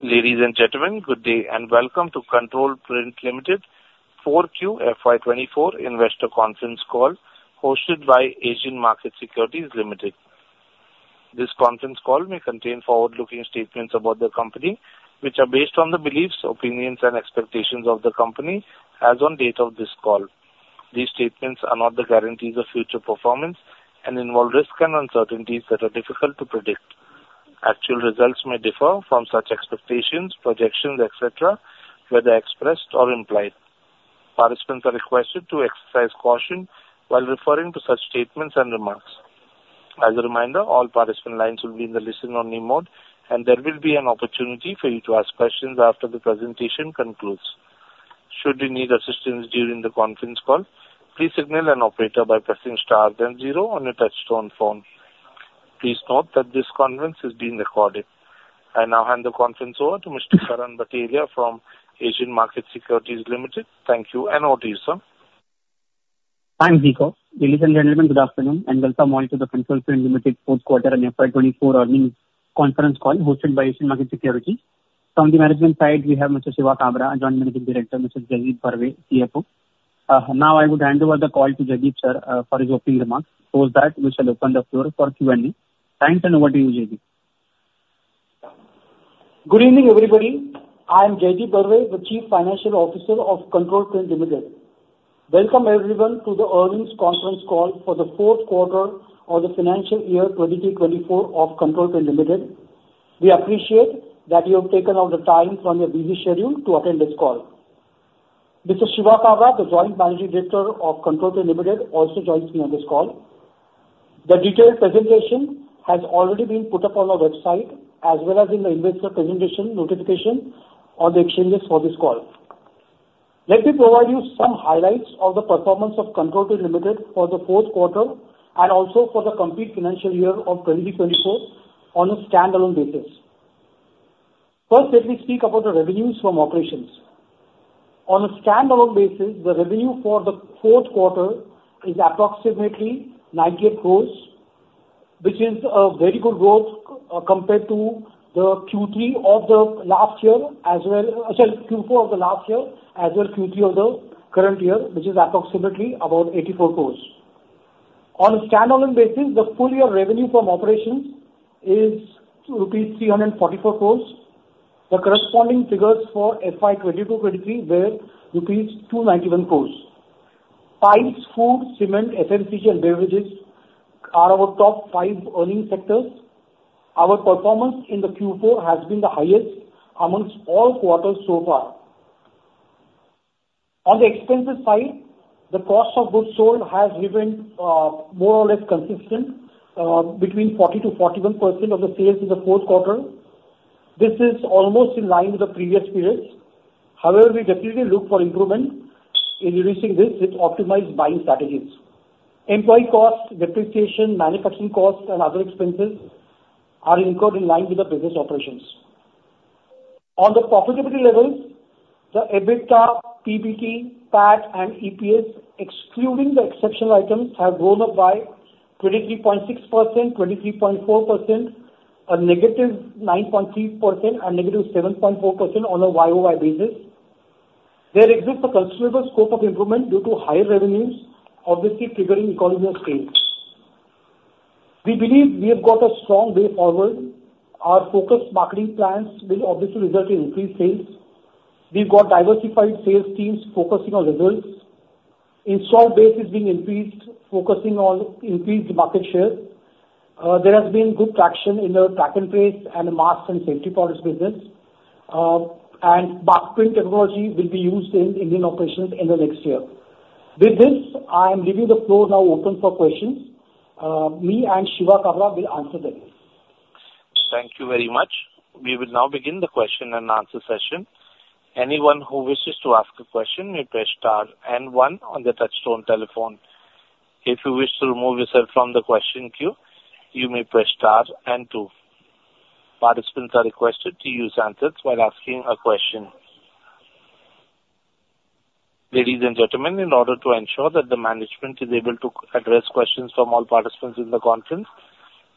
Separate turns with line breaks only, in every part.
Ladies and gentlemen, good day and Welcome to Control Print Limited 4Q FY 2024 investor conference call hosted by Asian Markets Securities Limited. This conference call may contain forward-looking statements about the company, which are based on the beliefs, opinions, and expectations of the company as on date of this call. These statements are not the guarantees of future performance and involve risks and uncertainties that are difficult to predict. Actual results may differ from such expectations, projections, etc., whether expressed or implied. Participants are requested to exercise caution while referring to such statements and remarks. As a reminder, all participant lines will be in the listen-only mode, and there will be an opportunity for you to ask questions after the presentation concludes. Should you need assistance during the conference call, please signal an operator by pressing star then zero on your touch-tone phone. Please note that this conference is being recorded. I now hand the conference over to Mr. Karan Bhatelia from Asian Markets Securities Limited. Thank you, and over to you, sir.
Thanks, Zico. Ladies and gentlemen, good afternoon, and Welcome all to the Control Print Limited fourth quarter and FY 2024 earnings conference call hosted by Asian Market Securities. From the management side, we have Mr. Shiva Kabra, Joint Managing Director, Mr. Jaideep Barve, CFO. Now I would hand over the call to Jaideep, sir, for his opening remarks. Post that, we shall open the floor for Q&A. Thanks, and over to you, Jaideep.
Good evening, everybody. I am Jaideep Barve, the Chief Financial Officer of Control Print Limited. Welcome everyone to the earnings conference call for the fourth quarter of the financial year 2023/2024 of Control Print Limited. We appreciate that you have taken out the time from your busy schedule to attend this call. Mr. Shiva Kabra, the Joint Managing Director of Control Print Limited, also joins me on this call. The detailed presentation has already been put up on our website as well as in the investor presentation notification on the exchanges for this call. Let me provide you some highlights of the performance of Control Print Limited for the fourth quarter and also for the complete financial year of 2024 on a standalone basis. First, let me speak about the revenues from operations. On a standalone basis, the revenue for the fourth quarter is approximately 98 crore, which is very good growth compared to the Q3 of the last year as well actually, Q4 of the last year as well as Q3 of the current year, which is approximately about 84 crore. On a standalone basis, the full year revenue from operations is rupees 344 crore. The corresponding figures for FY 2022/2023 were rupees 291 crore. Pipes, food, cement, FMCG, and beverages are our top five earning sectors. Our performance in the Q4 has been the highest amongst all quarters so far. On the expenses side, the cost of goods sold has remained more or less consistent between 40%-41% of the sales in the fourth quarter. This is almost in line with the previous periods. However, we definitely look for improvement in reducing this with optimized buying strategies. Employee costs, depreciation, manufacturing costs, and other expenses are incurred in line with the business operations. On the profitability levels, the EBITDA, PBT, PAT, and EPS, excluding the exceptional items, have grown up by 23.6%, 23.4%, -9.3%, and -7.4% on a YoY basis. There exists a considerable scope of improvement due to higher revenues, obviously triggering economies of scale. We believe we have got a strong way forward. Our focused marketing plans will obviously result in increased sales. We've got diversified sales teams focusing on results. Installed base is being increased, focusing on increased market share. There has been good traction in the track and trace and mask and safety products business, and Markprint technology will be used in Indian operations in the next year. With this, I am leaving the floor now open for questions. Me and Shiva Kabra will answer them.
Thank you very much. We will now begin the question and answer session. Anyone who wishes to ask a question may press star and one on the touch-tone telephone. If you wish to remove yourself from the question queue, you may press star and two. Participants are requested to use handsets while asking a question. Ladies and gentlemen, in order to ensure that the management is able to address questions from all participants in the conference,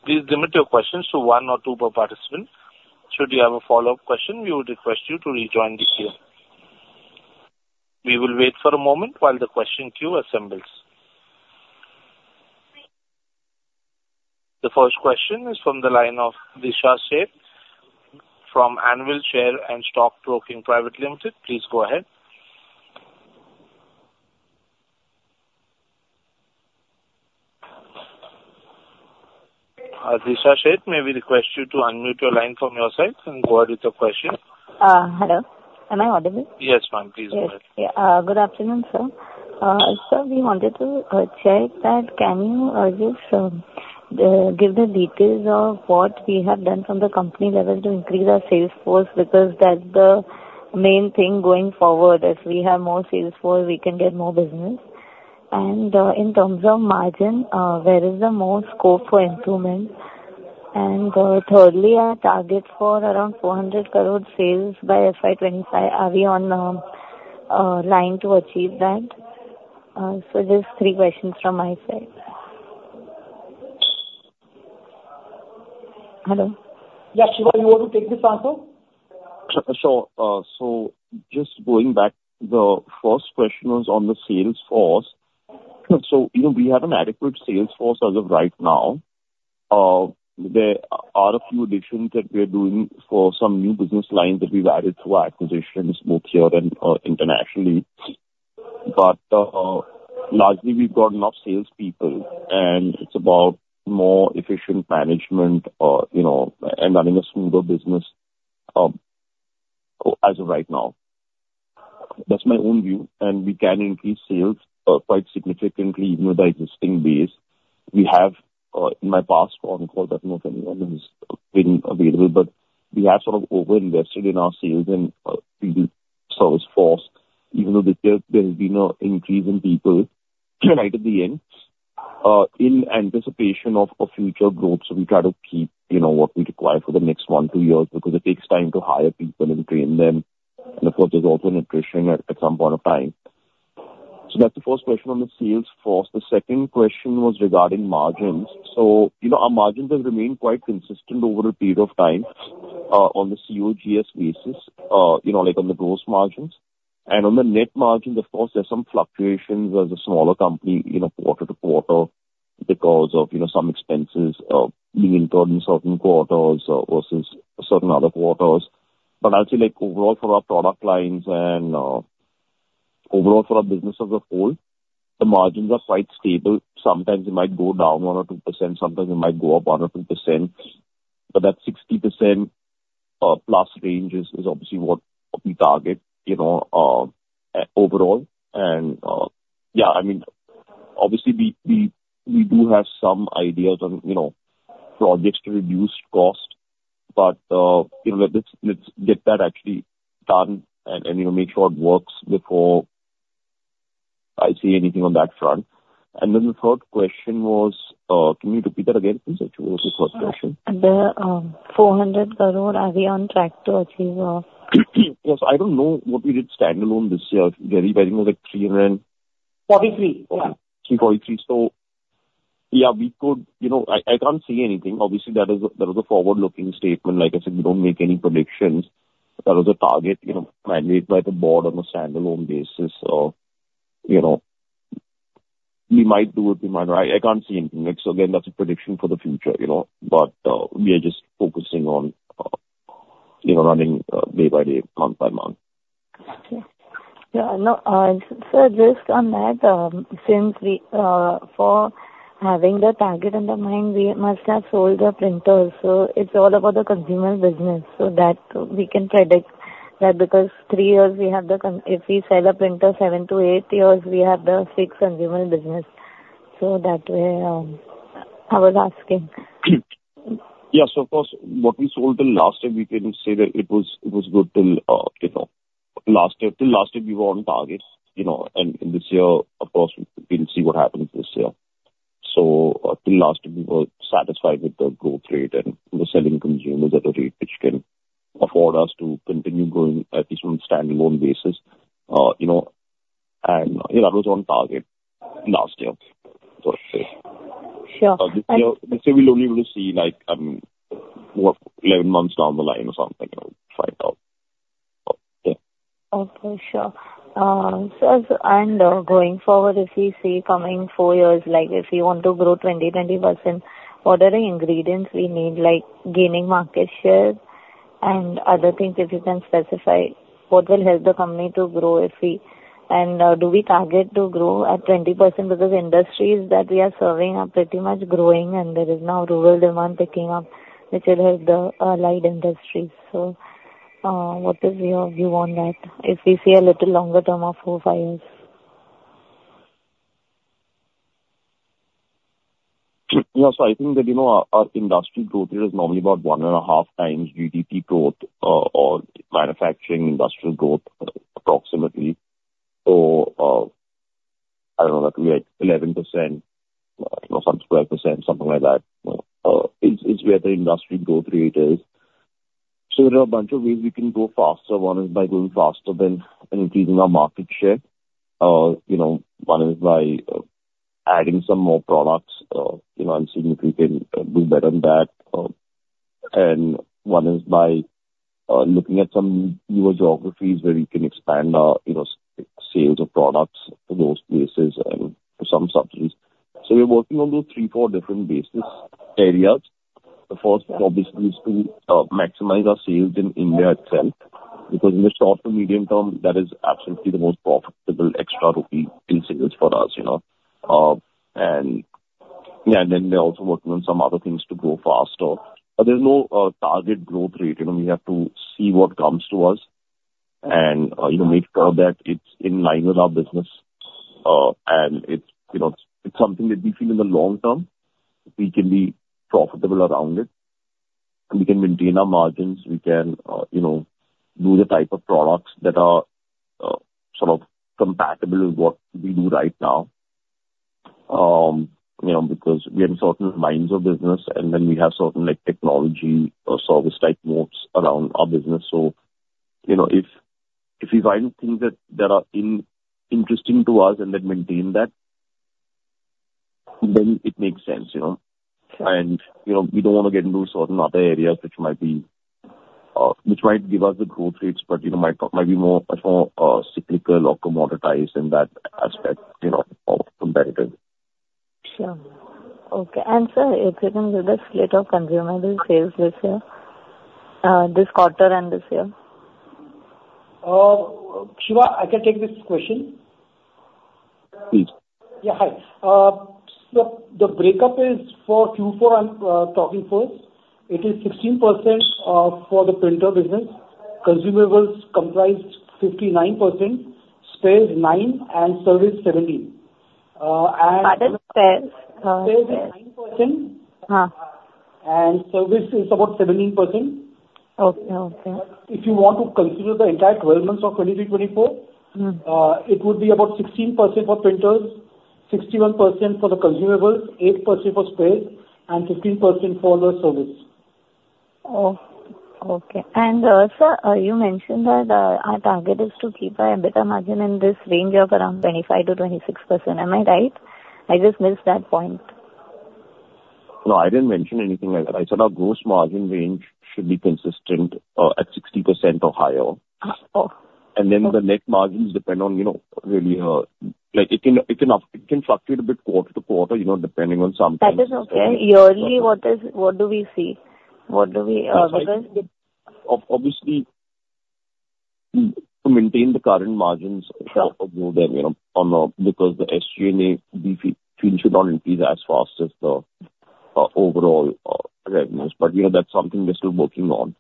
please limit your questions to one or two per participant. Should you have a follow-up question, we would request you to rejoin the queue. We will wait for a moment while the question queue assembles. The first question is from the line of Disha Sheth from Anvil Share and Stock Broking Private Limited. Please go ahead. Disha Sheth, may we request you to unmute your line from your side and go ahead with your question?
Hello. Am I audible?
Yes, ma'am. Please go ahead.
Yes. Good afternoon, sir. Sir, we wanted to check that can you just give the details of what we have done from the company level to increase our sales force because that's the main thing going forward. As we have more sales force, we can get more business. And in terms of margin, where is the most scope for improvement? And thirdly, our target for around 400 crore sales by FY 2025, are we on a line to achieve that? So just three questions from my side. Hello?
Yes, Shiva. You want to take this answer?
Sure. So just going back, the first question was on the sales force. So we have an adequate sales force as of right now. There are a few additions that we are doing for some new business lines that we've added through acquisitions both here and internationally. But largely, we've got enough salespeople, and it's about more efficient management and running a smoother business as of right now. That's my own view. And we can increase sales quite significantly even with our existing base. We have, in my past phone call, I don't know if anyone has been available, but we have sort of over-invested in our sales and people service force, even though there has been an increase in people right at the end in anticipation of future growth. So we try to keep what we require for the next one-two years because it takes time to hire people and train them. And of course, there's also attrition at some point of time. So that's the first question on the sales force. The second question was regarding margins. So our margins have remained quite consistent over a period of time on the COGS basis, like on the gross margins. And on the net margins, of course, there's some fluctuations as a smaller company quarter to quarter because of some expenses being incurred in certain quarters versus certain other quarters. But I'd say overall, for our product lines and overall for our business as a whole, the margins are quite stable. Sometimes it might go down 1%-2%. Sometimes it might go up 1%-2%. But that 60%+ range is obviously what we target overall. Yeah, I mean, obviously, we do have some ideas on projects to reduce cost, but let's get that actually done and make sure it works before I see anything on that front. Then the third question was, "Can you repeat that again?" I think that was the first question.
The 400 crore, are we on track to achieve?
Yes. I don't know what we did standalone this year. Jaideep, I think it was like 343.
43. Okay.
So yeah, we could. I can't see anything. Obviously, that was a forward-looking statement. Like I said, we don't make any predictions. That was a target mandated by the board on a standalone basis. We might do it. We might not. I can't see anything. So again, that's a prediction for the future. But we are just focusing on running day by day, month by month.
Gotcha. Yeah. And sir, just on that, since for having the target in the mind, we must have sold the printers. So it's all about the consumer business so that we can predict that because three years, we have the if we sell a printer, seven-eight years, we have the fixed consumer business. So that way, I was asking.
Yes. Of course, what we sold till last year, we can say that it was good till last year. Till last year, we were on target. And this year, of course, we can see what happens this year. So till last year, we were satisfied with the growth rate and the selling consumables at a rate which can afford us to continue going at least on a standalone basis. And that was on target last year, so to say.
Sure.
This year, we'll only be able to see, I mean, 11 months down the line or something. We'll find out. Yeah.
Okay. Sure. Sir, and going forward, if we see coming four years, if we want to grow 20%, what are the ingredients we need, like gaining market share and other things? If you can specify what will help the company to grow if we and do we target to grow at 20% because industries that we are serving are pretty much growing, and there is now rural demand picking up, which will help the light industries. So what is your view on that if we see a little longer term of four-five years?
Yeah. So I think that our industry growth rate is normally about one and a half times GDP growth or manufacturing industrial growth approximately. So I don't know. That will be like 11%, sub-11%, something like that is where the industry growth rate is. So there are a bunch of ways we can go faster. One is by going faster than increasing our market share. One is by adding some more products and seeing if we can do better than that. And one is by looking at some newer geographies where we can expand our sales of products to those places and to some subsidiaries. So we're working on those three, four different business areas. The first, obviously, is to maximize our sales in India itself because in the short to medium term, that is absolutely the most profitable extra rupee in sales for us. Yeah, and then we're also working on some other things to grow faster. But there's no target growth rate. We have to see what comes to us and make sure that it's in line with our business. And it's something that we feel in the long term, we can be profitable around it. We can maintain our margins. We can do the type of products that are sort of compatible with what we do right now because we have certain lines of business, and then we have certain technology or service-type modes around our business. So if we find things that are interesting to us and then maintain that, then it makes sense. And we don't want to get into certain other areas which might give us the growth rates, but might be much more cyclical or commoditized in that aspect of competitive.
Sure. Okay. And sir, if you can give us a state of consumer sales this quarter and this year?
Shiva, I can take this question.
Please.
Yeah. Hi. The breakup is for Q4, I'm talking first. It is 16% for the printer business. Consumables comprised 59%, spares 9%, and service 17%.
What is spares?
Spares is 9%, and service is about 17%. But if you want to consider the entire 12 months of 2024, it would be about 16% for printers, 61% for the consumables, 8% for spares, and 15% for the service.
Okay. Sir, you mentioned that our target is to keep our EBITDA margin in this range of around 25%-26%. Am I right? I just missed that point.
No, I didn't mention anything like that. I said our gross margin range should be consistent at 60% or higher. And then the net margins depend on, really, it can fluctuate a bit quarter to quarter depending on some things.
That is okay. Yearly, what do we see? What do we?
Obviously, to maintain the current margins, we'll go there because the SG&A should not increase as fast as the overall revenues. But that's something we're still working on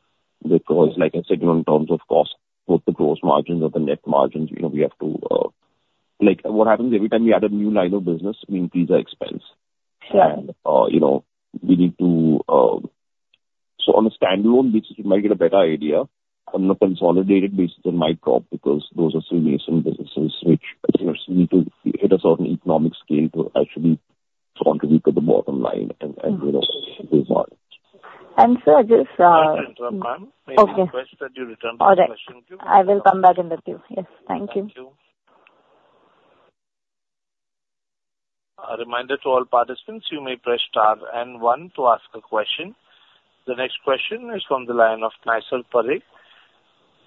because, like I said, in terms of cost, both the gross margins and the net margins, we have to what happens every time we add a new line of business increases our expense. And we need to so on a standalone basis, you might get a better idea. On a consolidated basis, it might drop because those are still nascent businesses which need to hit a certain economic scale to actually contribute to the bottom line and results.
Sir, just.
Yes, I interrupt, ma'am. May I request that you return to the question queue?
All right. I will come back and let you. Yes. Thank you.
Thank you. A reminder to all participants, you may press star and one to ask a question. The next question is from the line of Naysar Parikh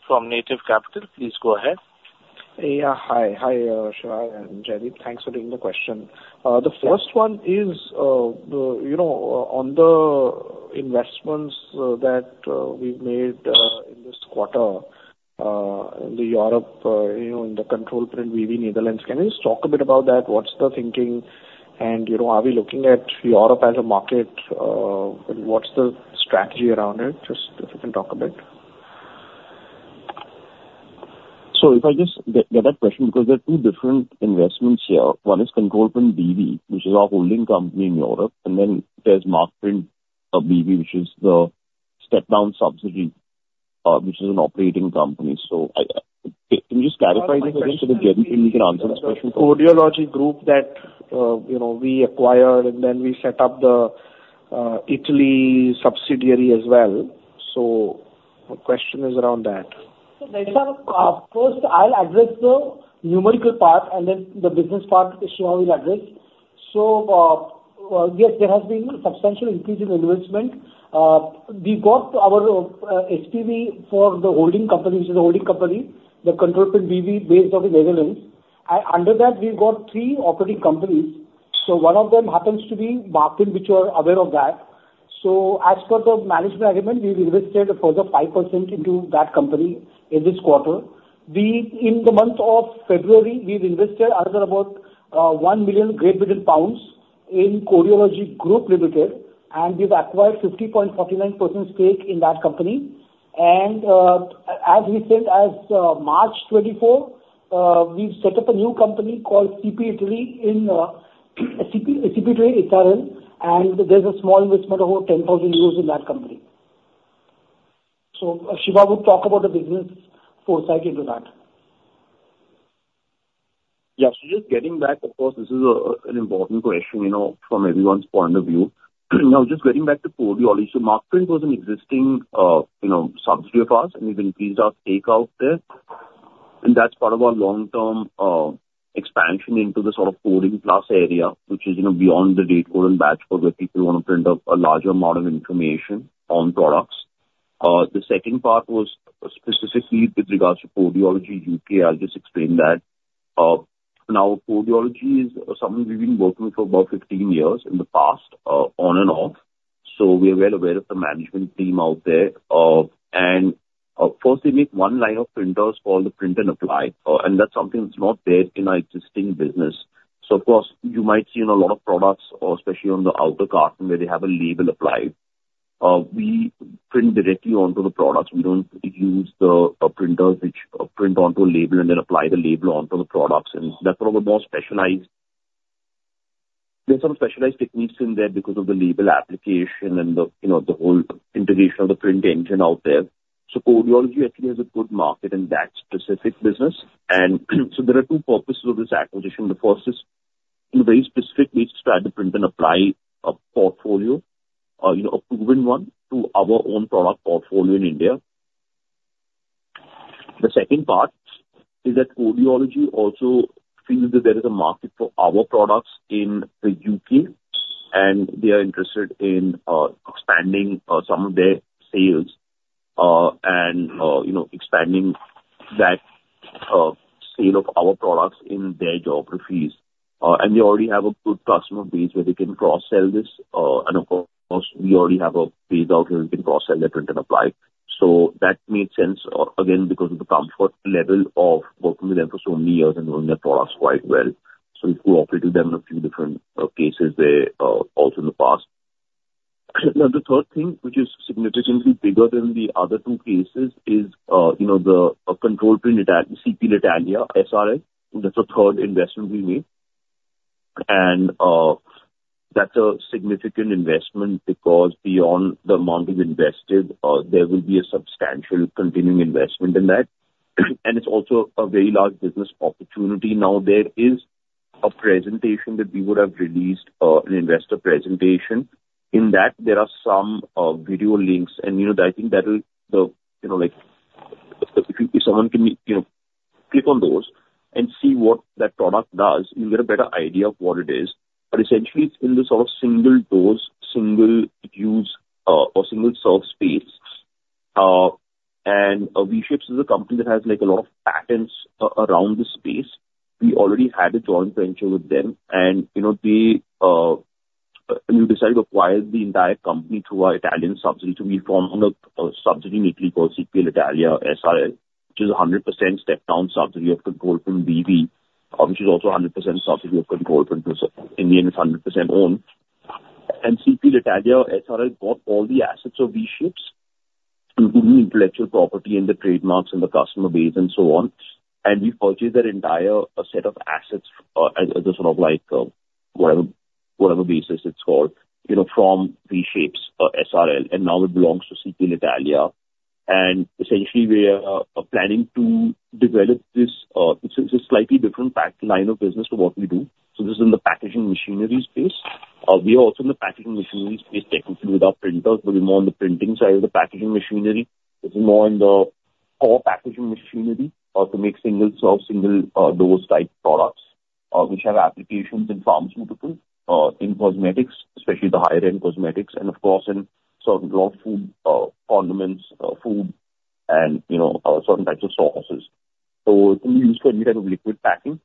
from Native Capital. Please go ahead.
Yeah. Hi. Hi, Shiva and Jaideep. Thanks for taking the question. The first one is on the investments that we've made in this quarter in Europe, in the Control Print B.V. Netherlands. Can you just talk a bit about that? What's the thinking? And are we looking at Europe as a market? And what's the strategy around it? Just if you can talk a bit.
So if I just get that question because there are two different investments here. One is Control Print B.V., which is our holding company in Europe. Then there's Markprint B.V., which is the step-down subsidiary, which is an operating company. So can you just clarify this again so that Jaideep and me can answer this question?
Codeology Group that we acquired, and then we set up the Italy subsidiary as well. So the question is around that.
So first, I'll address the numerical part, and then the business part, Shiva, we'll address. So yes, there has been a substantial increase in investment. We got our SPV for the holding company, which is a holding company, the Control Print B.V. based in the Netherlands. Under that, we've got three operating companies. So one of them happens to be Markprint, which you are aware of that. So as per the management agreement, we've invested a further 5% into that company in this quarter. In the month of February, we've invested another about 1 million in Codeology Group Limited, and we've acquired 50.49% stake in that company. And as recent as March 24, 2024, we've set up a new company called CPL Italia. And there's a small investment of over 10,000 euros in that company. Shiva will talk about the business foresight into that.
Yeah. So just getting back, of course, this is an important question from everyone's point of view. Now, just getting back to Codeology, so Markprint was an existing subsidiary of ours, and we've increased our stake out there. And that's part of our long-term expansion into the sort of coding-plus area, which is beyond the date code and batch code where people want to print up a larger amount of information on products. The second part was specifically with regards to Codeology U.K. I'll just explain that. Now, Codeology is someone we've been working with for about 15 years in the past, on and off. So we are well aware of the management team out there. And first, they make one line of printers called the print and apply. And that's something that's not there in our existing business. So of course, you might see a lot of products, especially on the outer carton where they have a label applied. We print directly onto the products. We don't use the printers which print onto a label and then apply the label onto the products. And that's one of the more specialized. There's some specialized techniques in there because of the label application and the whole integration of the print engine out there. So Codeology actually has a good market in that specific business. And so there are two purposes of this acquisition. The first is in a very specific way to try to print and apply a portfolio, a proven one, to our own product portfolio in India. The second part is that Codeology also feels that there is a market for our products in the U.K., and they are interested in expanding some of their sales and expanding that sale of our products in their geographies. And they already have a good customer base where they can cross-sell this. And of course, we already have a base out here who can cross-sell their print and apply. So that made sense, again, because of the comfort level of working with them for so many years and knowing their products quite well. So we've cooperated with them in a few different cases there also in the past. Now, the third thing, which is significantly bigger than the other two cases, is the Control Print CPL Italia S.r.l. That's a third investment we made. That's a significant investment because beyond the amount we've invested, there will be a substantial continuing investment in that. It's also a very large business opportunity now. There is a presentation that we would have released, an investor presentation. In that, there are some video links. I think that will help if someone can click on those and see what that product does, you'll get a better idea of what it is. But essentially, it's in the sort of single-dose, single-use, or single-serve space. V-Shapes is a company that has a lot of patents around this space. We already had a joint venture with them. We decided to acquire the entire company through our Italian subsidiary. So we formed a subsidiary in Italy called CPL Italia S.r.l., which is 100% step-down subsidiary of Control Print B.V., which is also 100% subsidiary of Control Print. In the end, it's 100% owned. CPL Italia S.r.l. bought all the assets of V-Shapes, including intellectual property and the trademarks and the customer base and so on. We purchased that entire set of assets as a sort of whatever basis it's called from V-Shapes S.r.l. Now it belongs to CPL Italia. Essentially, we are planning to develop this. It's a slightly different line of business to what we do. This is in the packaging machinery space. We are also in the packaging machinery space technically with our printers, but we're more on the printing side of the packaging machinery. This is more in the core packaging machinery to make single-serve, single-dose type products, which have applications in pharmaceutical, in cosmetics, especially the higher-end cosmetics, and of course, in certain raw food condiments, food, and certain types of sauces. So it can be used for any type of liquid packing.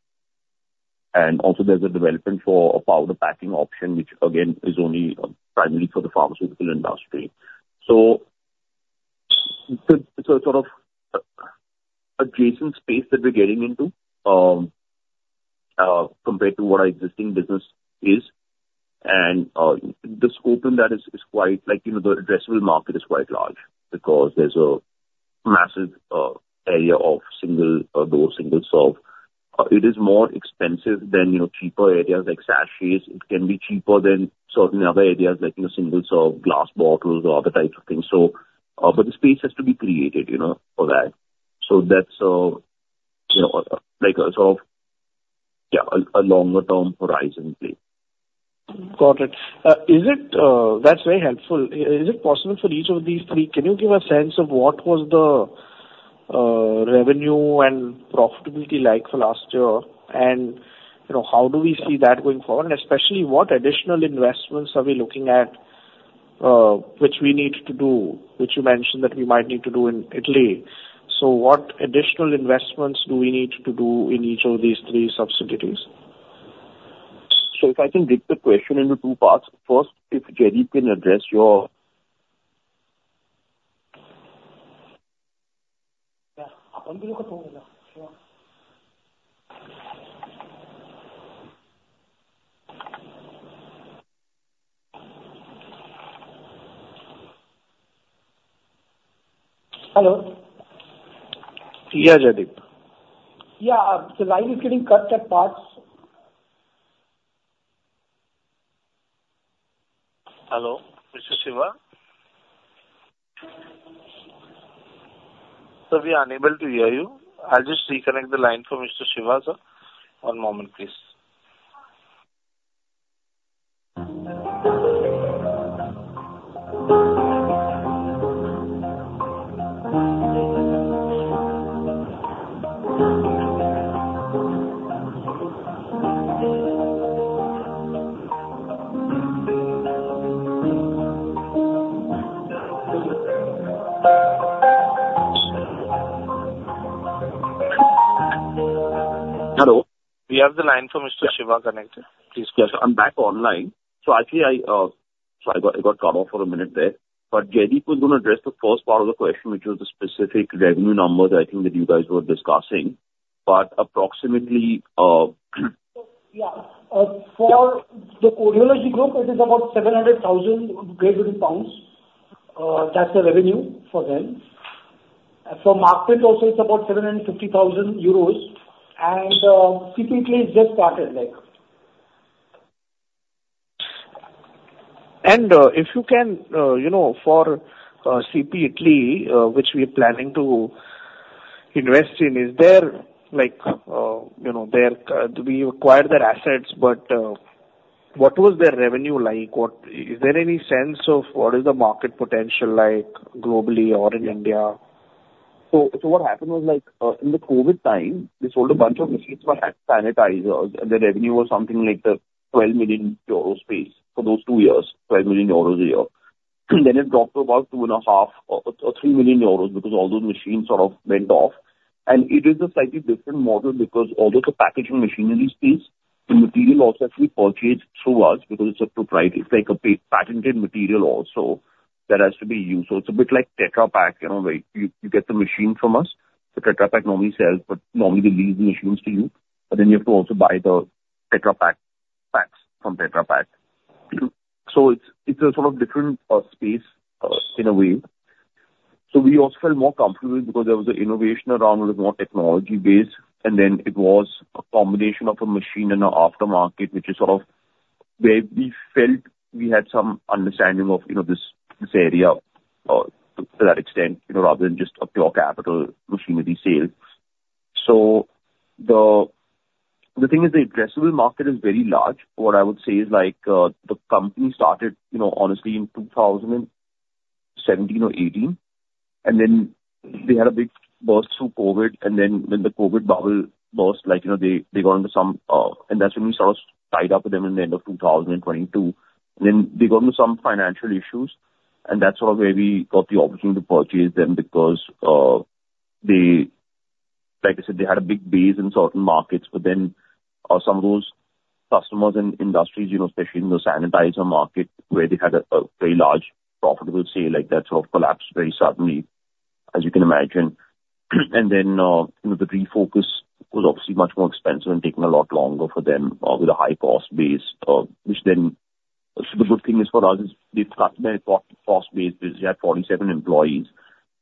And also, there's a development for a powder packing option, which, again, is only primarily for the pharmaceutical industry. So it's a sort of adjacent space that we're getting into compared to what our existing business is. And the scope in that is quite the addressable market is quite large because there's a massive area of single-dose, single-serve. It is more expensive than cheaper areas like sachets. It can be cheaper than certain other areas like single-serve, glass bottles, or other types of things. But the space has to be created for that. So that's a sort of, yeah, a longer-term horizon in place.
Got it. That's very helpful. Is it possible for each of these three can you give a sense of what was the revenue and profitability like for last year, and how do we see that going forward? And especially, what additional investments are we looking at which we need to do, which you mentioned that we might need to do in Italy? So what additional investments do we need to do in each of these three subsidiaries?
If I can break the question into two parts. First, if Jaideep can address your.
Yeah. I'm going to look at the phone now. Sure. Hello?
Yeah, Jaideep.
Yeah. The line is getting cut at parts.
Hello, Mr. Shiva? We are unable to hear you. I'll just reconnect the line for Mr. Shiva, sir. One moment, please.
Hello?
We have the line for Mr. Shiva connected. Please go ahead.
Yes. I'm back online. So actually, I got cut off for a minute there. But Jaideep was going to address the first part of the question, which was the specific revenue numbers, I think, that you guys were discussing. But approximately.
Yeah. For the Codeology Group, it is about 700,000. That's the revenue for them. For Markprint also, it's about 750,000 euros. And CPL Italia has just started.
If you can, for CPL Italia, which we are planning to invest in, is there we acquired their assets, but what was their revenue like? Is there any sense of what is the market potential like globally or in India?
So what happened was in the COVID time, we sold a bunch of machines that had sanitizers, and the revenue was something like the 12 million euro space for those two years, 12 million euros a year. Then it dropped to about 2.5 million or 3 million euros because all those machines sort of went off. And it is a slightly different model because although it's a packaging machinery space, the material also has to be purchased through us because it's a proprietary it's like a patented material also that has to be used. So it's a bit like Tetra Pak where you get the machine from us. The Tetra Pak normally sells, but normally, they lease the machines to you. But then you have to also buy the Tetra Pak packs from Tetra Pak. So it's a sort of different space in a way. So we also felt more comfortable with it because there was an innovation around it, it was more technology-based. And then it was a combination of a machine and an aftermarket, which is sort of where we felt we had some understanding of this area to that extent rather than just a pure capital machinery sale. So the thing is, the addressable market is very large. What I would say is the company started, honestly, in 2017 or 2018. And then they had a big burst through COVID. And then when the COVID bubble burst, they got into some and that's when we sort of tied up with them in the end of 2022. And then they got into some financial issues. And that's sort of where we got the opportunity to purchase them because, like I said, they had a big base in certain markets. But then some of those customers and industries, especially in the sanitizer market where they had a very large profitable sale, that sort of collapsed very suddenly, as you can imagine. And then the refocus was obviously much more expensive and taking a lot longer for them with a high-cost base, which then the good thing is for us is they've cut their cost base. They had 47 employees.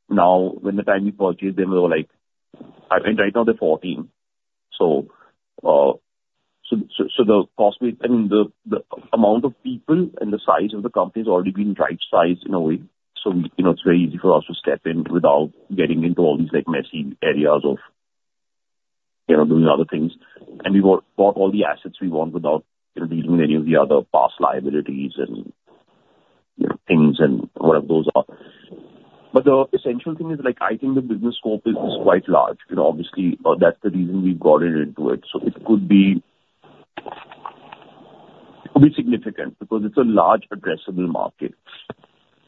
Now, when the time we purchased them, they were like and right now, they're 14 employess. So the cost base I mean, the amount of people and the size of the company has already been right-sized in a way. So it's very easy for us to step in without getting into all these messy areas of doing other things. And we bought all the assets we want without dealing with any of the other past liabilities and things and whatever those are. But the essential thing is I think the business scope is quite large. Obviously, that's the reason we've gotten into it. So it could be significant because it's a large addressable market.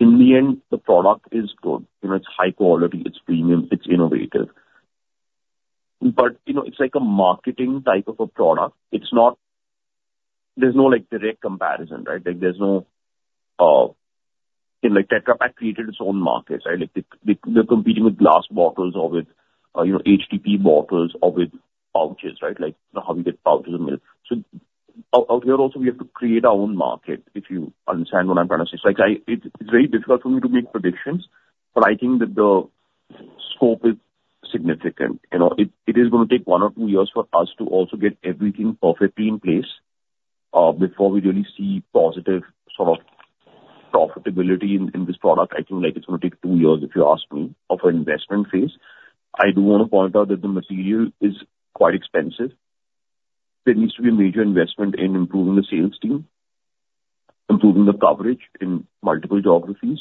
In the end, the product is good. It's high quality. It's premium. It's innovative. But it's like a marketing type of a product. There's no direct comparison, right? There's no Tetra Pak created its own market, right? They're competing with glass bottles or with HDPE bottles or with pouches, right, like how we get pouches of milk. So out here also, we have to create our own market if you understand what I'm trying to say. It's very difficult for me to make predictions, but I think that the scope is significant. It is going to take one or two years for us to also get everything perfectly in place before we really see positive sort of profitability in this product. I think it's going to take two years if you ask me of an investment phase. I do want to point out that the material is quite expensive. There needs to be a major investment in improving the sales team, improving the coverage in multiple geographies.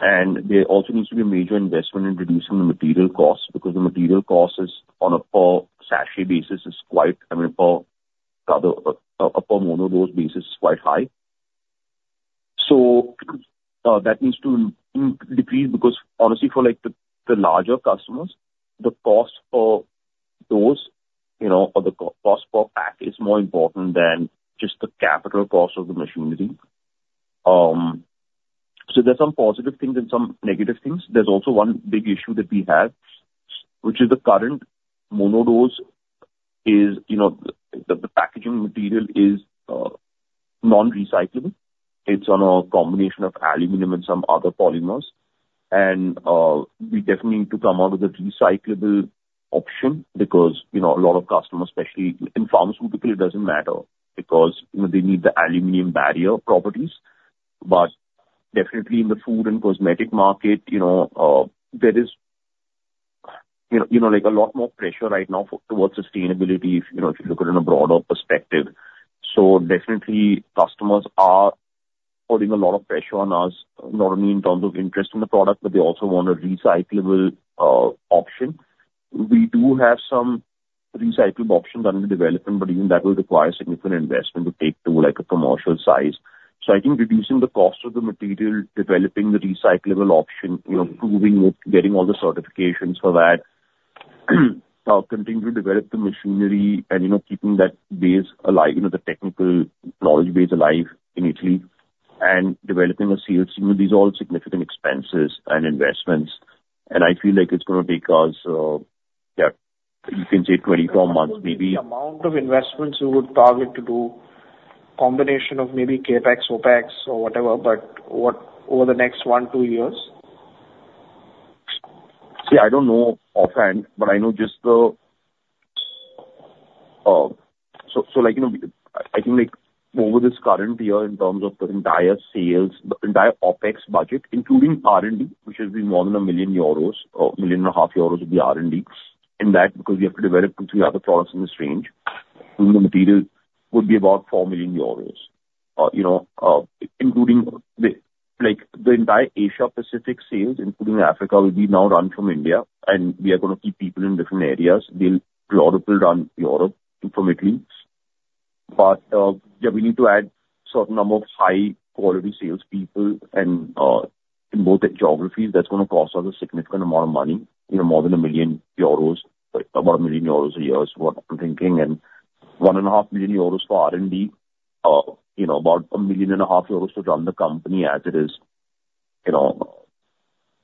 There also needs to be a major investment in reducing the material cost because the material cost is, on a per sachet basis, is quite I mean, per mono-dose basis, is quite high. That needs to decrease because, honestly, for the larger customers, the cost per dose or the cost per pack is more important than just the capital cost of the machinery. There's some positive things and some negative things. There's also one big issue that we have, which is the current mono-dose is the packaging material is non-recyclable. It's on a combination of aluminum and some other polymers. And we definitely need to come out with a recyclable option because a lot of customers, especially in pharmaceutical, it doesn't matter because they need the aluminum barrier properties. But definitely, in the food and cosmetic market, there is a lot more pressure right now towards sustainability if you look at it in a broader perspective. So definitely, customers are putting a lot of pressure on us, not only in terms of interest in the product, but they also want a recyclable option. We do have some recyclable options under development, but even that will require significant investment to take to a commercial size. I think reducing the cost of the material, developing the recyclable option, getting all the certifications for that, continuing to develop the machinery, and keeping that base alive, the technical knowledge base alive in Italy, and developing a CLC, these are all significant expenses and investments. I feel like it's going to take us, yeah, you can say 24 months, maybe.
What would be the amount of investments you would target to do, combination of maybe CapEx, OpEx, or whatever, but over the next one, two years?
See, I don't know offhand, but I know just the so I think over this current year in terms of the entire sales, the entire Opex budget, including R&D, which has been more than 1 million euros, 1.5 million of the R&D in that because we have to develop two, three other products in this range, including the material, would be about 4 million euros. Including the entire Asia-Pacific sales, including Africa, will be now run from India. And we are going to keep people in different areas. Florian will run Europe from Italy. But yeah, we need to add a certain number of high-quality salespeople in both geographies. That's going to cost us a significant amount of money, more than 1 million euros, about 1 million euros a year, is what I'm thinking. 1.5 million euros for R&D, about 1.5 million to run the company as it is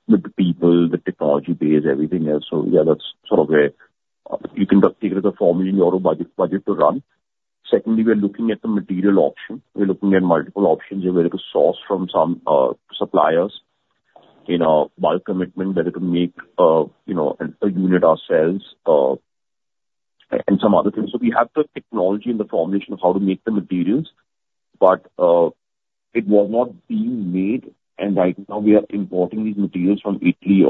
with the people, the technology base, everything else. So yeah, that's sort of where you can take it as a 4 million euro budget to run. Secondly, we are looking at the material option. We are looking at multiple options. We're going to source from some suppliers, bulk commitment, whether to make a unit ourselves, and some other things. So we have the technology and the formulation of how to make the materials, but it was not being made. And right now, we are importing these materials from Italy.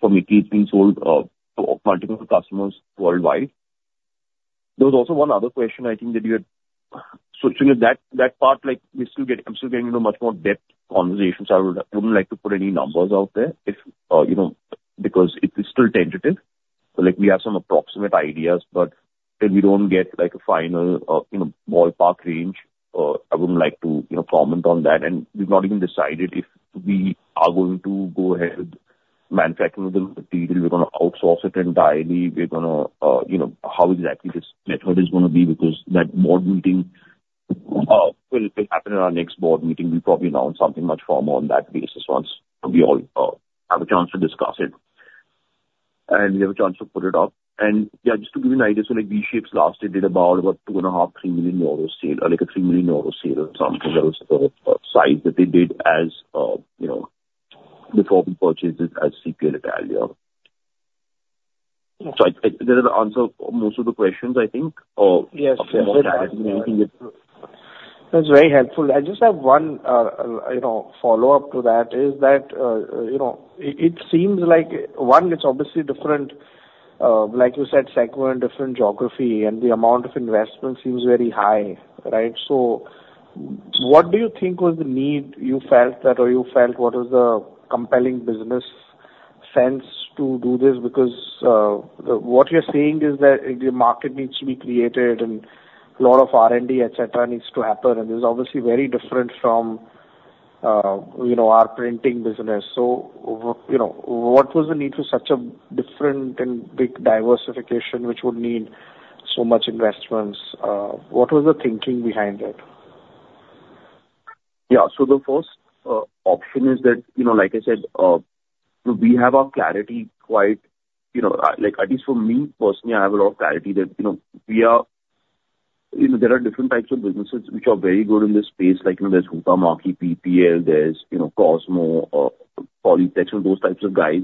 From Italy, it's being sold to multiple customers worldwide. There was also one other question, I think, that you had so that part, we're still getting much more in-depth conversations. I wouldn't like to put any numbers out there because it is still tentative. We have some approximate ideas, but till we don't get a final ballpark range, I wouldn't like to comment on that. We've not even decided if we are going to go ahead with manufacturing the material. We're going to outsource it entirely. We're going to how exactly this method is going to be because that board meeting will happen in our next board meeting. We'll probably announce something much firmer on that basis once we all have a chance to discuss it and we have a chance to put it up. Yeah, just to give you an idea, V-Shapes last year did about a 2.5-3 million euro sale, a 3 million euro sale or something. That was the size that they did before we purchased it as CPL Italia. So did that answer most of the questions, I think, or more clarity than anything that?
That's very helpful. I just have one follow-up to that. It seems like, one, it's obviously different, like you said, Shiva, different geography, and the amount of investment seems very high, right? So what do you think was the need you felt that or you felt what was the compelling business sense to do this? Because what you're saying is that the market needs to be created, and a lot of R&D, etc., needs to happen. And it's obviously very different from our printing business. So what was the need for such a different and big diversification, which would need so much investments? What was the thinking behind it?
Yeah. So the first option is that, like I said, we have our clarity quite at least for me, personally, I have a lot of clarity that there are different types of businesses which are very good in this space. There's Huhtamaki, PPL. There's Cosmo, Polyplex, and those types of guys.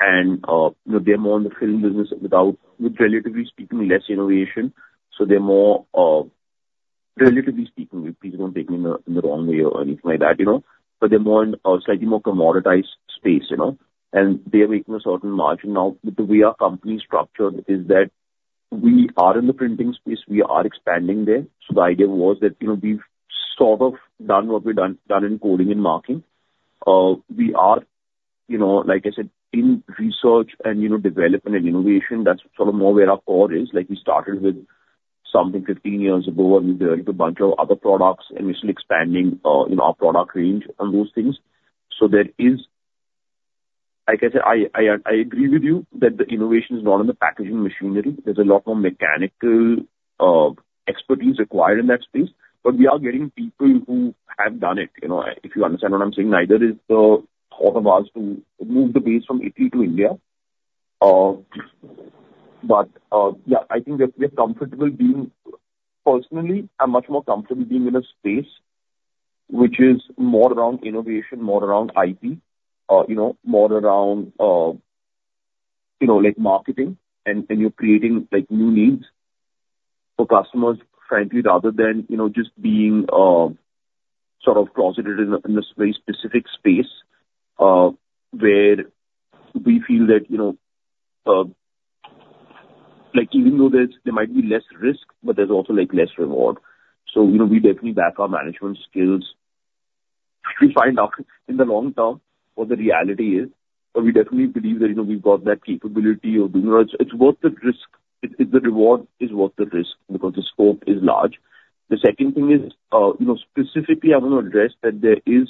And they're more in the film business with relatively speaking, less innovation. So they're more relatively speaking, please don't take me in the wrong way or anything like that. But they're more in a slightly more commoditized space. And they are making a certain margin now. The way our company is structured is that we are in the printing space. We are expanding there. So the idea was that we've sort of done what we've done in coding and marking. We are, like I said, in research and development and innovation. That's sort of more where our core is. We started with something 15 years ago, and we developed a bunch of other products and initially expanding our product range on those things. So there is like I said, I agree with you that the innovation is not in the packaging machinery. There's a lot more mechanical expertise required in that space. But we are getting people who have done it. If you understand what I'm saying, neither is the thought of us to move the base from Italy to India. But yeah, I think we're comfortable being personally. I'm much more comfortable being in a space which is more around innovation, more around IT, more around marketing, and you're creating new needs for customers, frankly, rather than just being sort of closeted in a very specific space where we feel that even though there might be less risk, but there's also less reward. So we definitely back our management skills. We find out in the long term what the reality is. But we definitely believe that we've got that capability of doing it. It's worth the risk. The reward is worth the risk because the scope is large. The second thing is, specifically, I want to address that there is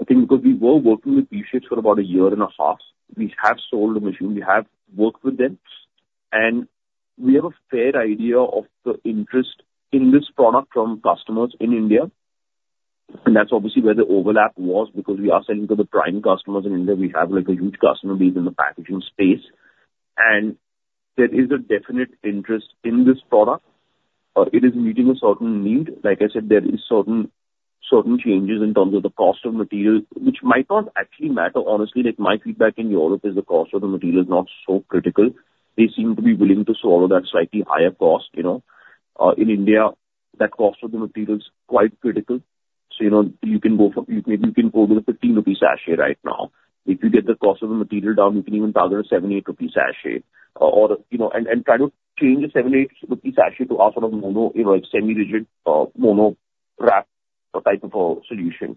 I think because we were working with V-Shapes for about a year and a half, we have sold a machine. We have worked with them. We have a fair idea of the interest in this product from customers in India. That's obviously where the overlap was because we are selling to the prime customers in India. We have a huge customer base in the packaging space. There is a definite interest in this product. It is meeting a certain need. Like I said, there are certain changes in terms of the cost of material, which might not actually matter. Honestly, my feedback in Europe is the cost of the material is not so critical. They seem to be willing to swallow that slightly higher cost. In India, that cost of the material is quite critical. So you can go for maybe you can go with a 15 rupee sachet right now. If you get the cost of the material down, you can even target a 78 rupee sachet or and try to change a 78 rupee sachet to our sort of semi-rigid mono wrap type of a solution.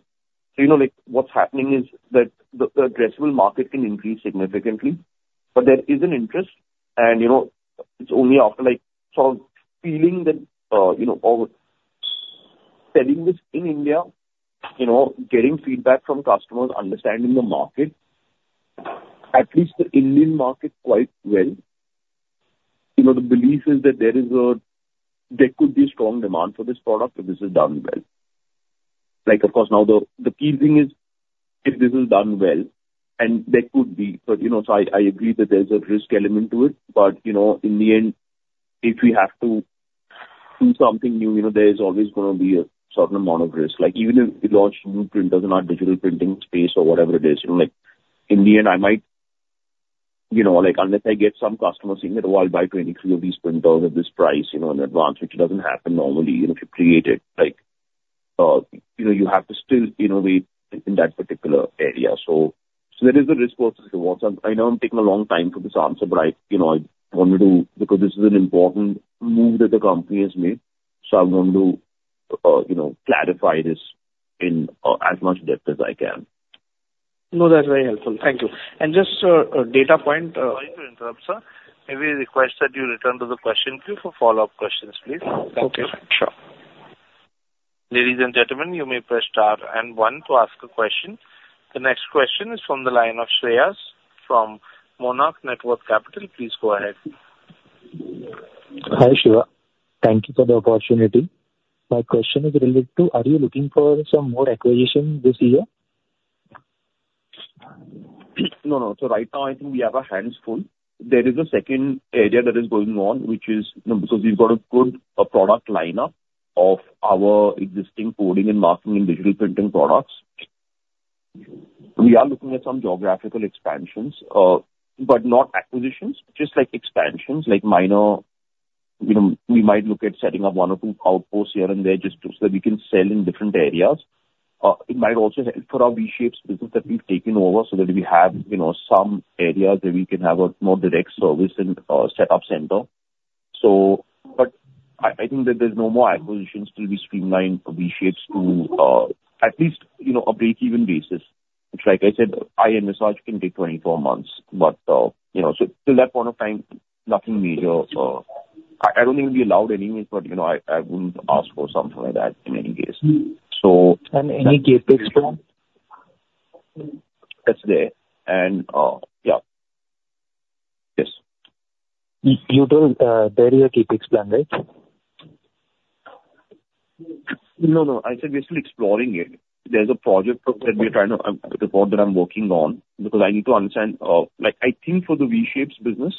So what's happening is that the addressable market can increase significantly, but there is an interest. And it's only after sort of feeling that or selling this in India, getting feedback from customers, understanding the market, at least the Indian market quite well, the belief is that there could be a strong demand for this product if this is done well. Of course, now, the key thing is if this is done well, and there could be. So I agree that there's a risk element to it. But in the end, if we have to do something new, there is always going to be a certain amount of risk. Even if we launch new printers in our digital printing space or whatever it is, in the end, I might unless I get some customer saying that, "Oh, I'll buy 23 of these printers at this price in advance," which doesn't happen normally if you create it. You have to still innovate in that particular area. So there is a risk versus rewards. I know I'm taking a long time for this answer, but I wanted to because this is an important move that the company has made. So I wanted to clarify this in as much depth as I can.
No, that's very helpful. Thank you. And just a data point.
Sorry to interrupt, sir. Have we requested you return to the question queue for follow-up questions, please?
Okay. Sure.
Ladies and gentlemen, you may press star and one to ask a question. The next question is from the line of Shreyas from Monarch Networth Capital. Please go ahead.
Hi, Shiva. Thank you for the opportunity. My question is related to, are you looking for some more acquisitions this year?
No, no. So right now, I think we have a handful. There is a second area that is going on, which is because we've got a good product lineup of our existing coding and marking and digital printing products. We are looking at some geographical expansions, but not acquisitions, just expansions, minor. We might look at setting up one or two outposts here and there just so that we can sell in different areas. It might also help for our V-Shapes business that we've taken over so that we have some areas where we can have a more direct service and setup center. But I think that there's no more acquisitions till we streamline V-Shapes to at least a break-even basis. Like I said, I'm sure can take 24 months. But so till that point of time, nothing major. I don't think it'll be allowed anyways, but I wouldn't ask for something like that in any case. So.
Any CapEx plan?
That's there. And yeah. Yes.
You told there is a CapEx plan, right?
No, no. I said we're still exploring it. There's a project that we're trying to report that I'm working on because I need to understand, I think, for the V-Shapes business,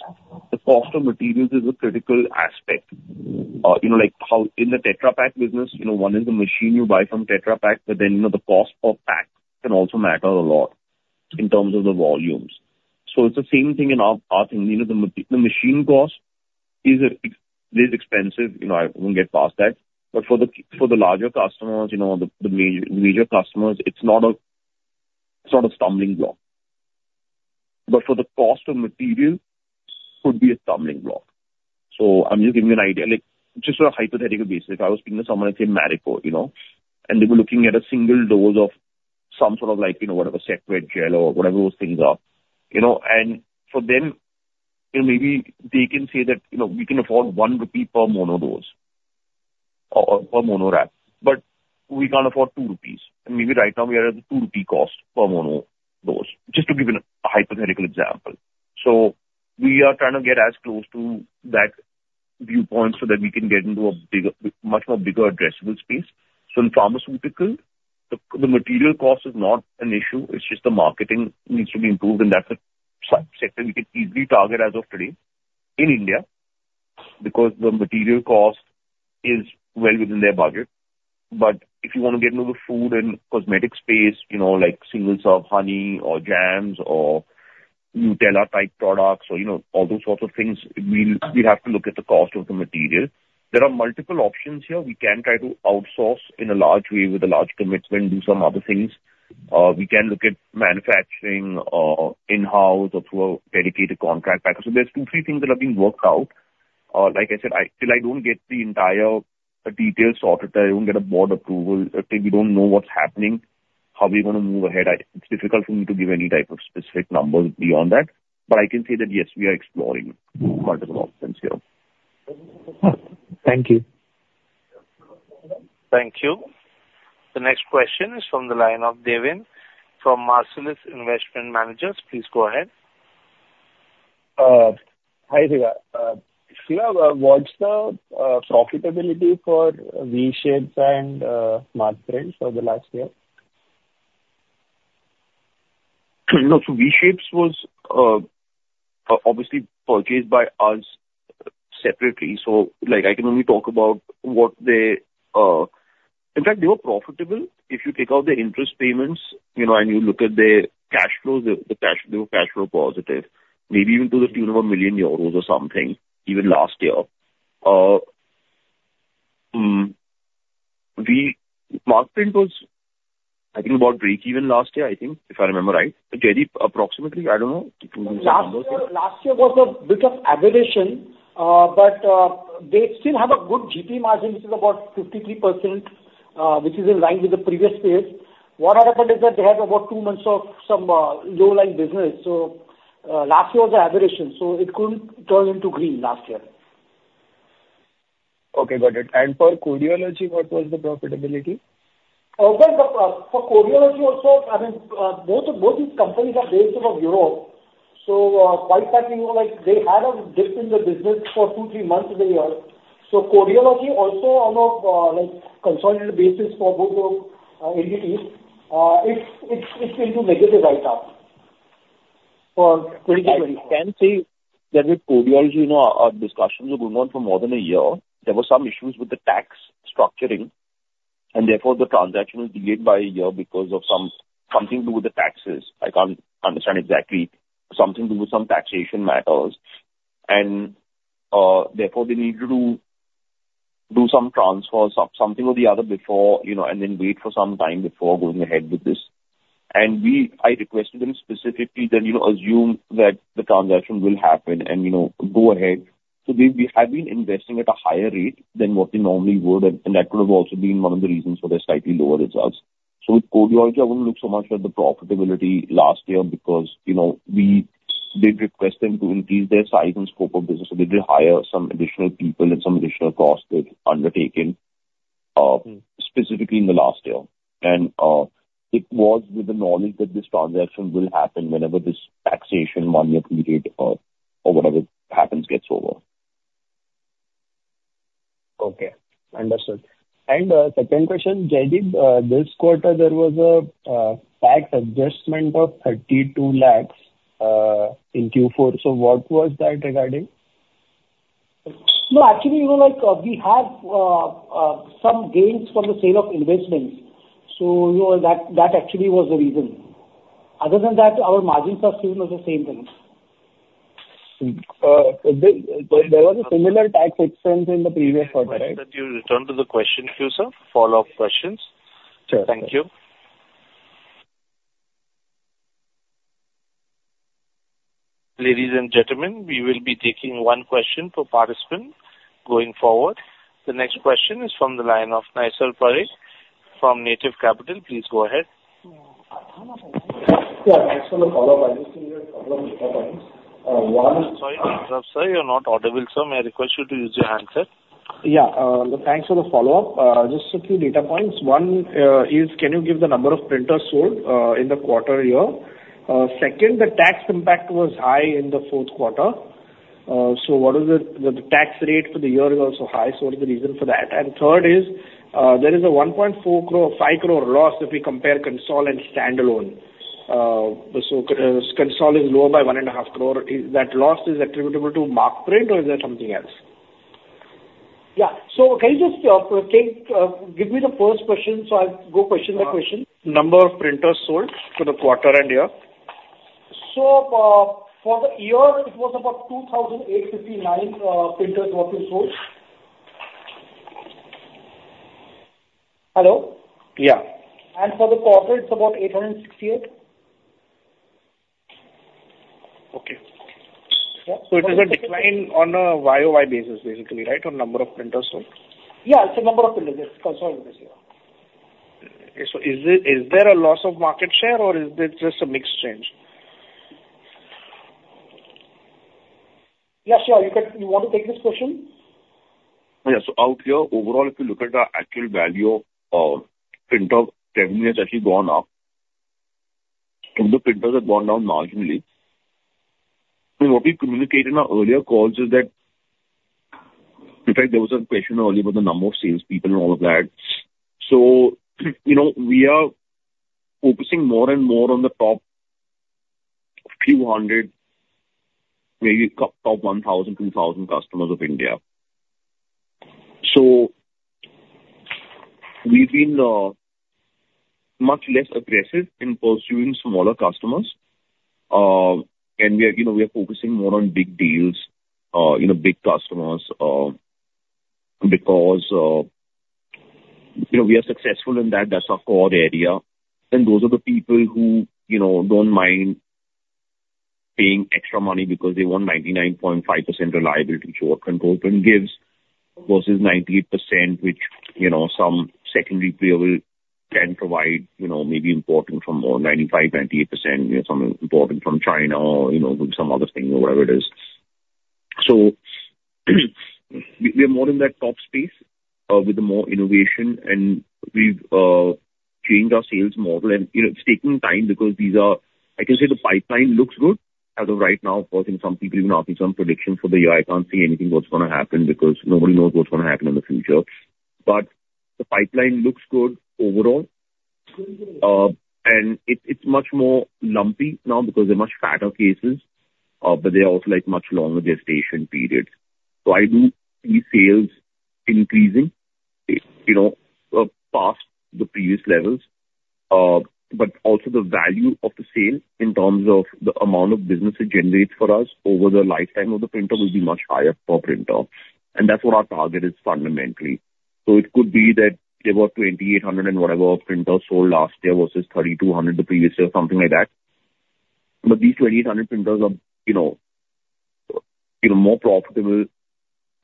the cost of materials is a critical aspect. In the Tetra Pak business, one is the machine you buy from Tetra Pak, but then the cost per pack can also matter a lot in terms of the volumes. So it's the same thing in our thing. The machine cost is expensive. I wouldn't get past that. But for the larger customers, the major customers, it's not a stumbling block. But for the cost of material, it could be a stumbling block. So I'm just giving you an idea. Just on a hypothetical basis, if I was speaking to someone like say, Marico, and they were looking at a single dose of some sort of whatever, Set Wet Gel or whatever those things are. And for them, maybe they can say that we can afford 1 rupee per mono dose or per mono wrap, but we can't afford 2 rupees. And maybe right now, we are at a 2 rupee cost per mono dose, just to give a hypothetical example. So we are trying to get as close to that viewpoint so that we can get into a much more bigger addressable space. So in pharmaceutical, the material cost is not an issue. It's just the marketing needs to be improved. And that's a sector we can easily target as of today in India because the material cost is well within their budget. But if you want to get into the food and cosmetic space, like single-serve honey or jams or Nutella-type products or all those sorts of things, we have to look at the cost of the material. There are multiple options here. We can try to outsource in a large way with a large commitment, do some other things. We can look at manufacturing in-house or through a dedicated contract package. So there's two, three things that are being worked out. Like I said, till I don't get the entire details sorted, till I don't get a board approval, till we don't know what's happening, how we're going to move ahead, it's difficult for me to give any type of specific numbers beyond that. But I can say that, yes, we are exploring multiple options here.
Thank you.
Thank you. The next question is from the line of Deven from Marcellus Investment Managers. Please go ahead.
Hi, there. Shiva, what's the profitability for V-Shapes and Markprint for the last year?
No. So V-Shapes was obviously purchased by us separately. So I can only talk about what they in fact, they were profitable if you take out the interest payments and you look at their cash flows, they were cash flow positive, maybe even to the tune of 1 million euros or something even last year. Markprint was, I think, about break-even last year, I think, if I remember right. But Jaideep, approximately, I don't know. If you can give some numbers.
Last year was a bit of aberration, but they still have a good GP margin, which is about 53%, which is in line with the previous phase. What had happened is that they had about two months of some low-line business. So last year was an aberration. So it couldn't turn into green last year.
Okay. Got it. For Codeology, what was the profitability?
Well, for Codeology also, I mean, both these companies are based in Europe. So quite frankly, they had a dip in the business for two-three months of the year. So Codeology also, on a consolidated basis for both of entities, it's into negative right now for 2024.
I can say that with Codeology, our discussions have gone on for more than a year. There were some issues with the tax structuring, and therefore, the transaction was delayed by a year because of something to do with the taxes. I can't understand exactly. Something to do with some taxation matters. And therefore, they needed to do some transfers, something or the other, and then wait for some time before going ahead with this. And I requested them specifically that assume that the transaction will happen and go ahead. So they have been investing at a higher rate than what they normally would. And that could have also been one of the reasons for their slightly lower results. So with Codeology, I wouldn't look so much at the profitability last year because we did request them to increase their size and scope of business. They did hire some additional people and some additional costs they've undertaken specifically in the last year. It was with the knowledge that this transaction will happen whenever this taxation one-year period or whatever happens gets over.
Okay. Understood. And second question, Jaideep, this quarter, there was a tax adjustment of 32 lakh in Q4. So what was that regarding?
No, actually, we have some gains from the sale of investments. So that actually was the reason. Other than that, our margins are still on the same thing.
There was a similar tax expense in the previous quarter, right?
That you return to the question queue, sir, follow-up questions.
Sure.
Thank you. Ladies and gentlemen, we will be taking one question per participant going forward. The next question is from the line of Naysar Parikh from Native Capital. Please go ahead.
Yeah. Thanks for the follow-up. I just needed a couple of data points. One is.
Sorry to interrupt, sir. You're not audible, sir. May I request you to use your handset?
Yeah. Thanks for the follow-up. Just a few data points. One is, can you give the number of printers sold in the quarter year? Second, the tax impact was high in the fourth quarter. So what was the tax rate for the year? It was also high. So what is the reason for that? And third is, there is an 5 crore loss if we compare consolidated and standalone. So consolidated is lower by 1.5 crore. That loss is attributable to Markprint, or is that something else?
Yeah. So can you just give me the first question so I'll go question by question?
Number of printers sold for the quarter and year?
For the year, it was about 2,859 printers were sold. Hello?
Yeah.
For the quarter, it's about 868 printers?
Okay. So it is a decline on a YoY basis, basically, right, on number of printers sold?
Yeah. It's a number of printers. It's consolidated this year.
Okay. So is there a loss of market share, or is it just a mixed change?
Yeah. Shiva. You want to take this question?
Yeah. So out here, overall, if you look at the actual value of printers, revenue has actually gone up. And the printers have gone down marginally. And what we communicated in our earlier calls is that in fact, there was a question earlier about the number of salespeople and all of that. So we are focusing more and more on the top few hundred, maybe top 1,000, 2,000 customers of India. So we've been much less aggressive in pursuing smaller customers. And we are focusing more on big deals, big customers because we are successful in that. That's our core area. And those are the people who don't mind paying extra money because they want 99.5% reliability, which our Control Print gives, versus 98%, which some secondary player will then provide, maybe imported from or 95%, 98%, something imported from China or some other thing or whatever it is. So we are more in that top space with the more innovation. And we've changed our sales model. And it's taking time because these are, I can say, the pipeline looks good as of right now, but in some people even asking some predictions for the year, I can't see anything what's going to happen because nobody knows what's going to happen in the future. But the pipeline looks good overall. And it's much more lumpy now because they're much fatter cases, but they are also much longer gestation periods. So I do see sales increasing past the previous levels. But also, the value of the sale in terms of the amount of business it generates for us over the lifetime of the printer will be much higher per printer. And that's what our target is fundamentally. So it could be that there were 2,800 and whatever printers sold last year versus 3,200 the previous year, something like that. But these 2,800 printers are more profitable, and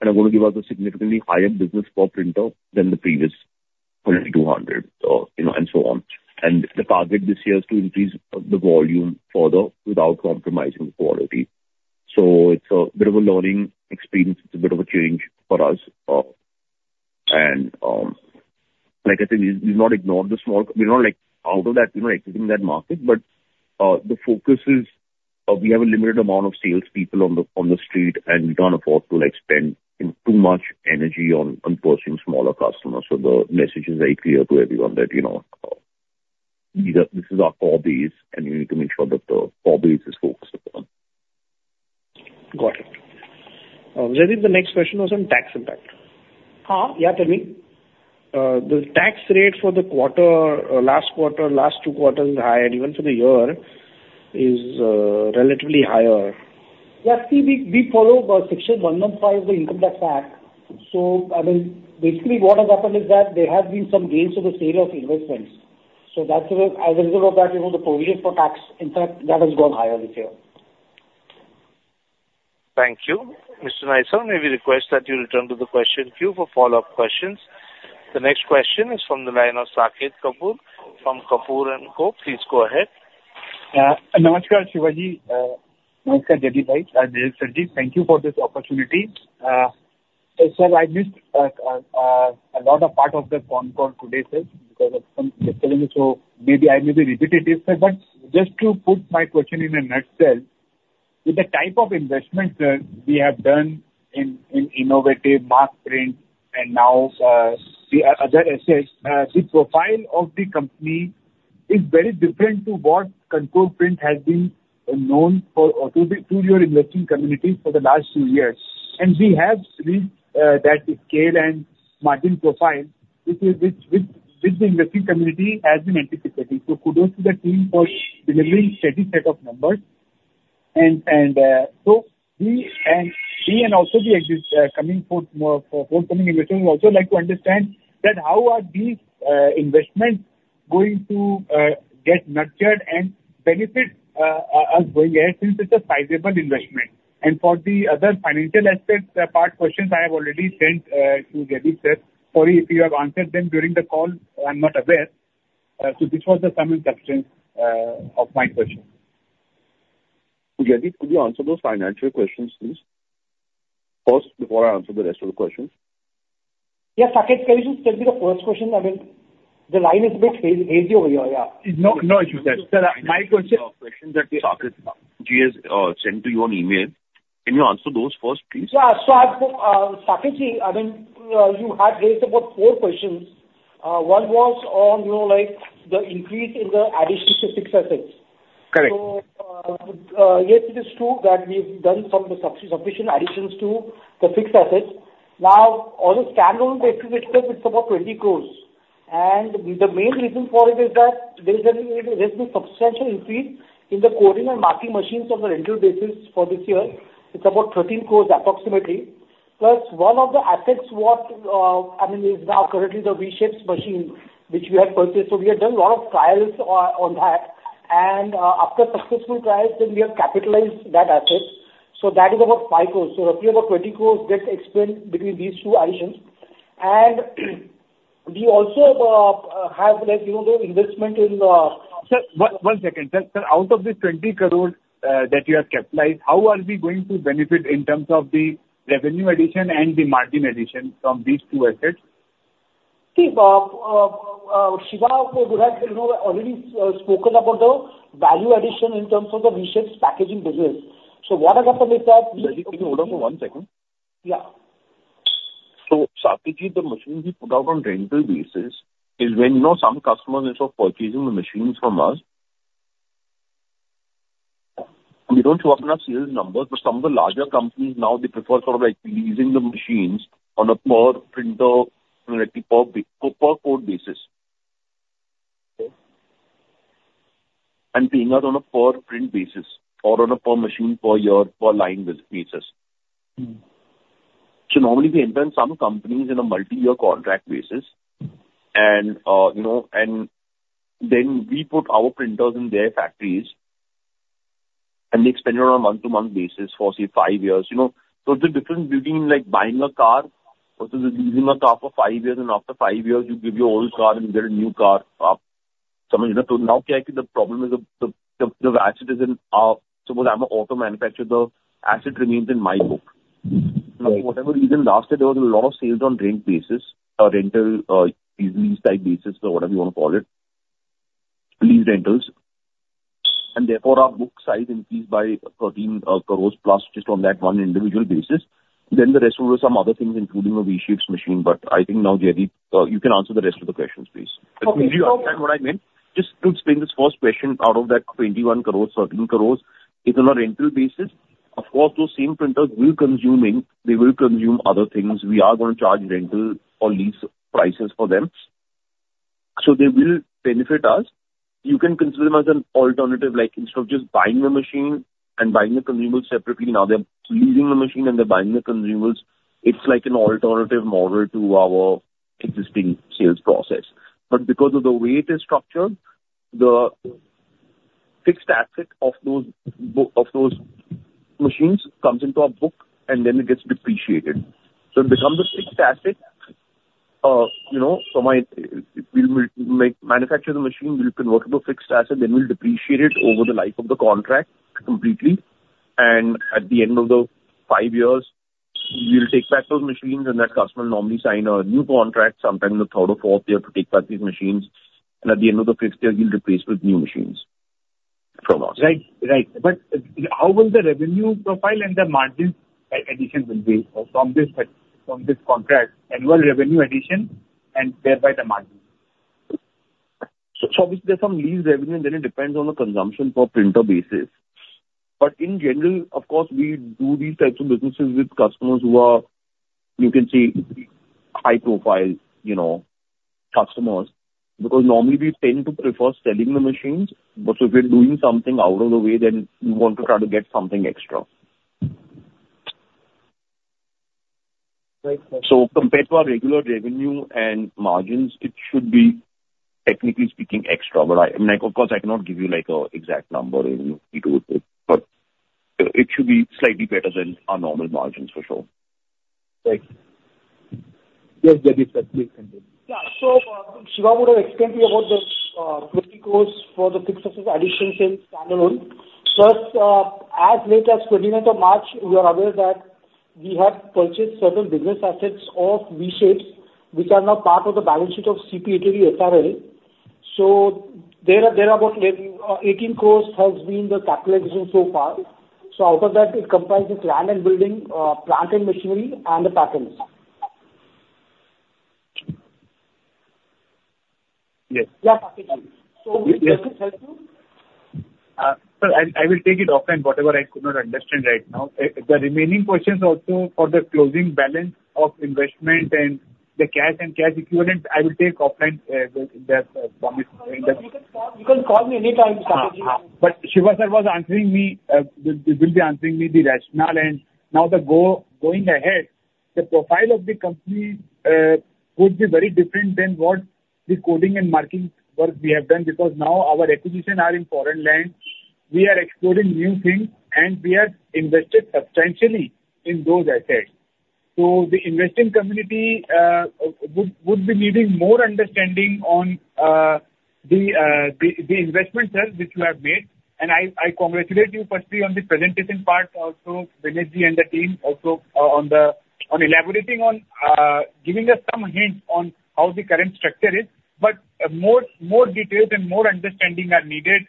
they're going to give us a significantly higher business per printer than the previous 2,200 and so on. The target this year is to increase the volume further without compromising the quality. So it's a bit of a learning experience. It's a bit of a change for us. Like I said, we've not ignored the small. We're not out of that. We're not exiting that market. The focus is we have a limited amount of salespeople on the street, and we can't afford to spend too much energy on pursuing smaller customers. The message is very clear to everyone that this is our core base, and we need to make sure that the core base is focused upon.
Got it. Jaideep, the next question was on tax impact.
Huh? Yeah, tell me.
The tax rate for the last quarter, last two quarters is high, and even for the year is relatively higher.
Yeah. See, we follow Section 115 of the Income Tax Act. So I mean, basically, what has happened is that there have been some gains to the sale of investments. So as a result of that, the provision for tax, in fact, that has gone higher this year.
Thank you. Mr. Naysar, may we request that you return to the question queue for follow-up questions? The next question is from the line of Saket Kapoor from Kapoor & Co. Please go ahead.
Yeah. Namaskar, Shiva. Namaskar, Jaideep, right? I'm Saket Kapoor. Thank you for this opportunity. Sir, I missed a lot of part of the phone call today, sir, because of some discussions. So maybe I may be repetitive, sir. But just to put my question in a nutshell, with the type of investments that we have done in innovative Markprint and now the other assets, the profile of the company is very different to what Control Print has been known for to your investing community for the last two years. And we have reached that scale and margin profile which the investing community has been anticipating. So kudos to the team for delivering a steady set of numbers. And so we and also the coming forth investors also like to understand that how are these investments going to get nurtured and benefit us going ahead since it's a sizable investment? For the other financial aspect part questions, I have already sent to Jaideep, sir. Sorry if you have answered them during the call. I'm not aware. This was the sum and substance of my questions.
Jaideep, could you answer those financial questions, please? First, before I answer the rest of the questions.
Yeah. Saket, can you just tell me the first question? I mean, the line is a bit hazy over here. Yeah.
No issue, sir. Sir, my question.
The questions that Saket-ji has sent to you on email, can you answer those first, please?
Yeah. So Saket-ji, I mean, you had raised about four questions. One was on the increase in the additions to fixed assets.
Correct.
So yes, it is true that we've done some sufficient additions to the fixed assets. Now, on a standalone basis, itself, it's about 20 crore. And the main reason for it is that there's been a substantial increase in the coding and marking machines on the rental basis for this year. It's about 13 crore, approximately. Plus, one of the assets what I mean, is now currently the V-Shapes machine, which we have purchased. So we have done a lot of trials on that. And after successful trials, then we have capitalized that asset. So that is about 5 crore. So roughly about 20 crore got expended between these two additions. And we also have the investment in.
Sir, one second. Sir, out of the 20 crore that you have capitalized, how are we going to benefit in terms of the revenue addition and the margin addition from these two assets?
See, Shiva would have already spoken about the value addition in terms of the V-Shapes packaging business. So what has happened is that we.
Jaideep, can you hold on for one second?
Yeah.
So, Saket, the machine we put out on rental basis is when some customers end up purchasing the machines from us. We don't show up enough sales numbers, but some of the larger companies now, they prefer sort of leasing the machines on a per printer, per quote basis and paying us on a per print basis or on a per machine per year, per line basis. So normally, we enter in some companies in a multi-year contract basis. And then we put our printers in their factories, and they extend it on a month-to-month basis for, say, five years. So it's a difference between buying a car versus leasing a car for five years. And after five years, you give your old car, and you get a new car up. So now, technically, the problem is the asset is in our suppose I'm an auto manufacturer. The asset remains in my book. Now, for whatever reason, last year, there was a lot of sales on rent basis or rental lease-type basis or whatever you want to call it, lease rentals. And therefore, our book size increased by 13 crore+ just on that one individual basis. Then the rest were some other things, including a V-Shapes machine. But I think now, Jaideep, you can answer the rest of the questions, please. Do you understand what I meant? Just to explain this first question out of that 21 crore, 13 crore, it's on a rental basis. Of course, those same printers will consume ink. They will consume other things. We are going to charge rental or lease prices for them. So they will benefit us. You can consider them as an alternative. Instead of just buying the machine and buying the consumables separately, now they're leasing the machine, and they're buying the consumables. It's an alternative model to our existing sales process. But because of the way it is structured, the fixed asset of those machines comes into our book, and then it gets depreciated. So it becomes a fixed asset. So we'll manufacture the machine. We'll convert it to a fixed asset. Then we'll depreciate it over the life of the contract completely. And at the end of the five years, we'll take back those machines. And that customer normally signs a new contract, sometime in the third or fourth year, to take back these machines. And at the end of the fifth year, he'll replace with new machines from us.
Right. Right. But how will the revenue profile and the margin addition be from this contract? And what revenue addition and thereby the margin?
So obviously, there's some lease revenue, and then it depends on the consumption per printer basis. But in general, of course, we do these types of businesses with customers who are, you can see, high-profile customers because normally, we tend to prefer selling the machines. But if we're doing something out of the way, then we want to try to get something extra. So compared to our regular revenue and margins, it should be, technically speaking, extra. But of course, I cannot give you an exact number if you do it with. But it should be slightly better than our normal margins, for sure.
Right. Yes, Jaideep, please continue.
Yeah. So Shiva would have explained to you about the INR 20 crore for the fixed asset addition sales standalone. Plus, as late as 29th of March, we are aware that we have purchased certain business assets of V-Shapes, which are now part of the balance sheet of CPL Italia S.r.l. So out of that, it comprises land and building, plant and machinery, and the patents.
Yes.
Yeah, Saket-ji. So does this help you?
Sir, I will take it offline. Whatever I could not understand right now. The remaining questions also for the closing balance of investment and the cash and cash equivalent, I will take offline promise.
You can call me anytime, Saket-ji.
But Shiva sir was answering me. He will be answering me the rationale. Now, going ahead, the profile of the company would be very different than what the coding and marking work we have done because now our acquisition are in foreign land. We are exploring new things, and we have invested substantially in those assets. So the investing community would be needing more understanding on the investments, sir, which you have made. I congratulate you, firstly, on the presentation part also, Vinayak and the team, also on elaborating on giving us some hints on how the current structure is. But more details and more understanding are needed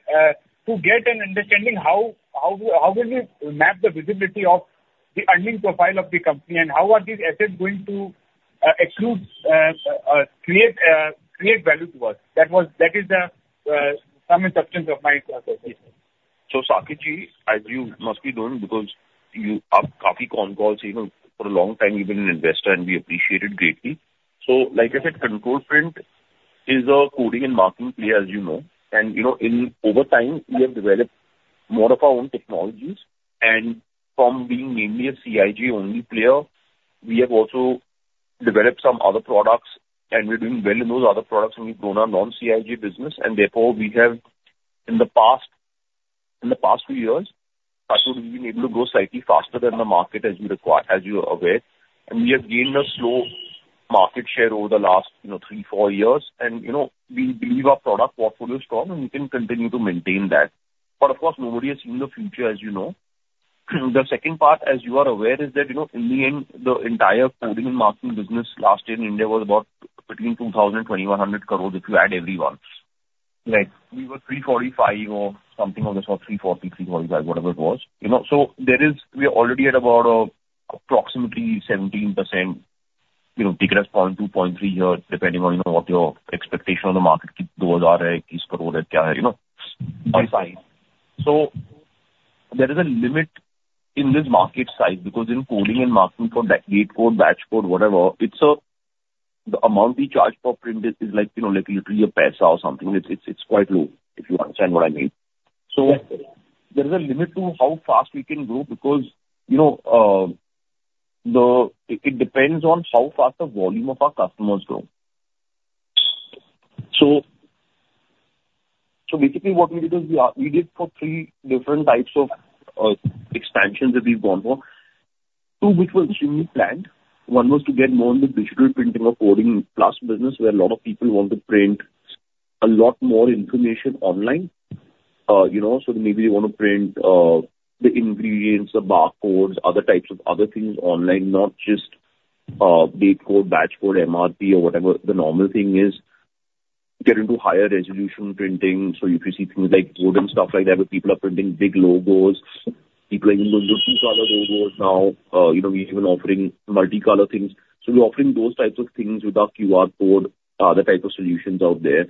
to get an understanding how will we map the visibility of the earning profile of the company and how are these assets going to create value to us. That is the sum and substance of my questions.
So, Saket-ji., as you must be knowing because you have caught me on calls for a long time, you've been an investor, and we appreciate it greatly. Like I said, Control Print is a coding and marking player, as you know. Over time, we have developed more of our own technologies. From being mainly a CIJ-only player, we have also developed some other products. We're doing well in those other products. We've grown our non-CIJ business. Therefore, in the past few years, we've been able to grow slightly faster than the market, as you are aware. We have gained some market share over the last three-four years. We believe our product portfolio is strong, and we can continue to maintain that. Of course, nobody has seen the future, as you know. The second part, as you are aware, is that in the end, the entire coding and marking business last year in India was about between 2,000 crore and 2,100 crore if you add everyone. We were 345 crore or something of this or 340 crore, 345 crore, whatever it was. So we are already at about approximately 17%, take it as 0.2%, 0.3%, depending on what your expectation on the market those are, is crore, is whatever.
By size.
So there is a limit in this market size because in coding and marking for date code, batch code, whatever, the amount we charge per print is literally a paisa or something. It's quite low, if you understand what I mean. So there is a limit to how fast we can grow because it depends on how fast the volume of our customers grow. So basically, what we did is we did for three different types of expansions that we've gone for, two which were extremely planned. One was to get more in the digital printing or coding plus business where a lot of people want to print a lot more information online. So maybe they want to print the ingredients, the barcodes, other types of other things online, not just date code, batch code, MRP, or whatever the normal thing is. Get into higher resolution printing. So if you see things like wooden stuff like that where people are printing big logos, people are even going to do two-color logos now. We are even offering multi-color things. So we're offering those types of things with our QR code, other types of solutions out there.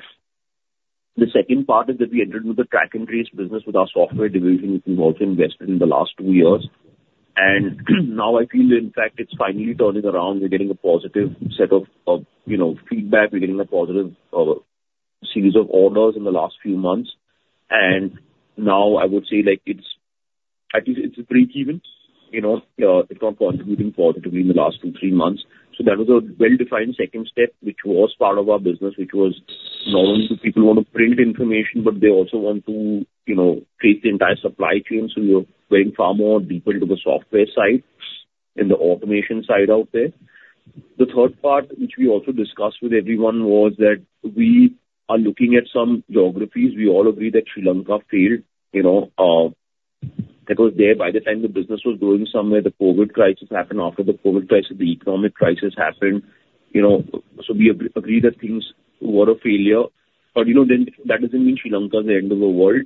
The second part is that we entered with the track and trace business with our software division, which we've also invested in the last two years. And now, I feel, in fact, it's finally turning around. We're getting a positive set of feedback. We're getting a positive series of orders in the last few months. And now, I would say at least it's a break even. It's not contributing positively in the last two-three months. So that was a well-defined second step, which was part of our business, which was not only do people want to print information, but they also want to create the entire supply chain. We are going far more deeper into the software side and the automation side out there. The third part, which we also discussed with everyone, was that we are looking at some geographies. We all agree that Sri Lanka failed because there, by the time the business was growing somewhere, the COVID crisis happened. After the COVID crisis, the economic crisis happened. We agree that things were a failure. But then that doesn't mean Sri Lanka is the end of the world.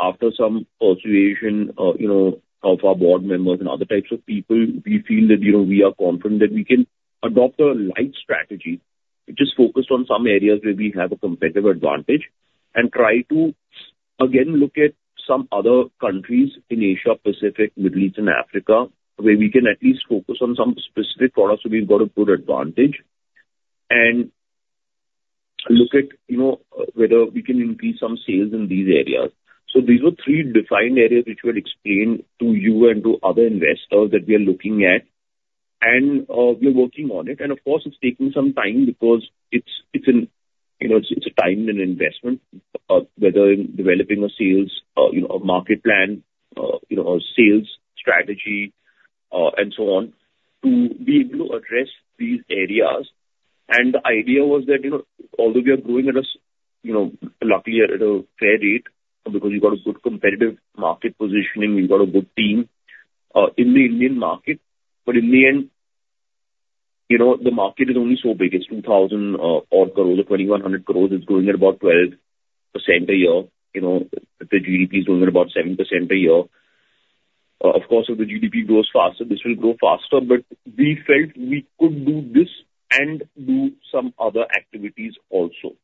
After some persuasion of our board members and other types of people, we feel that we are confident that we can adopt a light strategy, which is focused on some areas where we have a competitive advantage, and try to, again, look at some other countries in Asia, Pacific, Middle East, and Africa where we can at least focus on some specific products where we've got a good advantage and look at whether we can increase some sales in these areas. These were three defined areas which we had explained to you and to other investors that we are looking at, and we are working on it. Of course, it's taking some time because it's a time and investment, whether in developing a sales, a market plan, a sales strategy, and so on, to be able to address these areas. The idea was that although we are growing at a luckily, at a fair rate because you've got a good competitive market positioning, you've got a good team in the Indian market. But in the end, the market is only so big. It's 2,000 crore or 2,100 crore. It's growing at about 12% a year. The GDP is growing at about 7% a year. Of course, if the GDP grows faster, this will grow faster. But we felt we could do this and do some other activities also.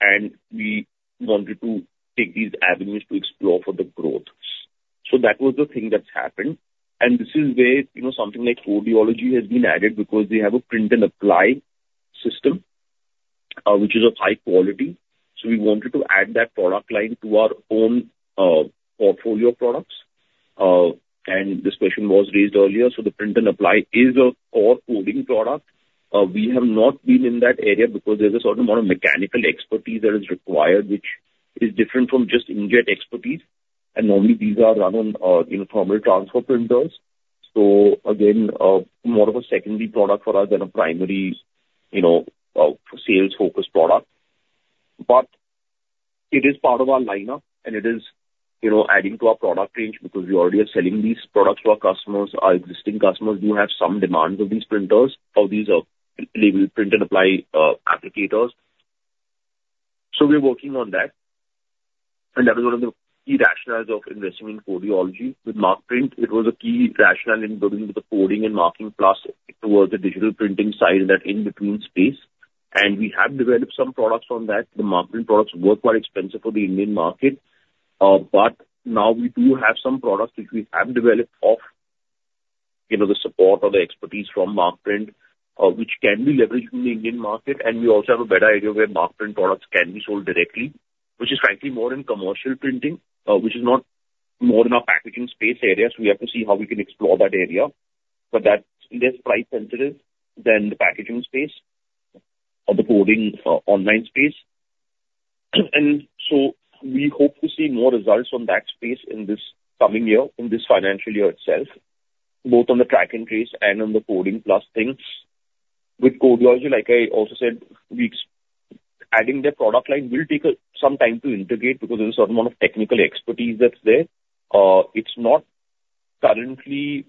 And we wanted to take these avenues to explore for the growth. So that was the thing that's happened. And this is where something like Codeology has been added because they have a print and apply system, which is of high quality. So we wanted to add that product line to our own portfolio of products. This question was raised earlier. So the print and apply is a core coding product. We have not been in that area because there's a certain amount of mechanical expertise that is required, which is different from just inkjet expertise. Normally, these are run on thermal transfer printers. So again, more of a secondary product for us than a primary sales-focused product. But it is part of our lineup, and it is adding to our product range because we already are selling these products to our customers. Our existing customers do have some demands of these printers or these label print and apply applicators. So we're working on that. That was one of the key rationales of investing in Codeology. With Markprint, it was a key rationale in building with the coding and marking plus towards the digital printing side in that in-between space. We have developed some products on that. The Markprint products work quite expensive for the Indian market. Now, we do have some products which we have developed off the support or the expertise from Markprint, which can be leveraged in the Indian market. We also have a better idea where Markprint products can be sold directly, which is frankly more in commercial printing, which is not more in our packaging space area. We have to see how we can explore that area. That's less price-sensitive than the packaging space or the coding online space. So we hope to see more results on that space in this coming year, in this financial year itself, both on the track and trace and on the coding plus things. With Codeology, like I also said, adding their product line will take some time to integrate because there's a certain amount of technical expertise that's there. It's not currently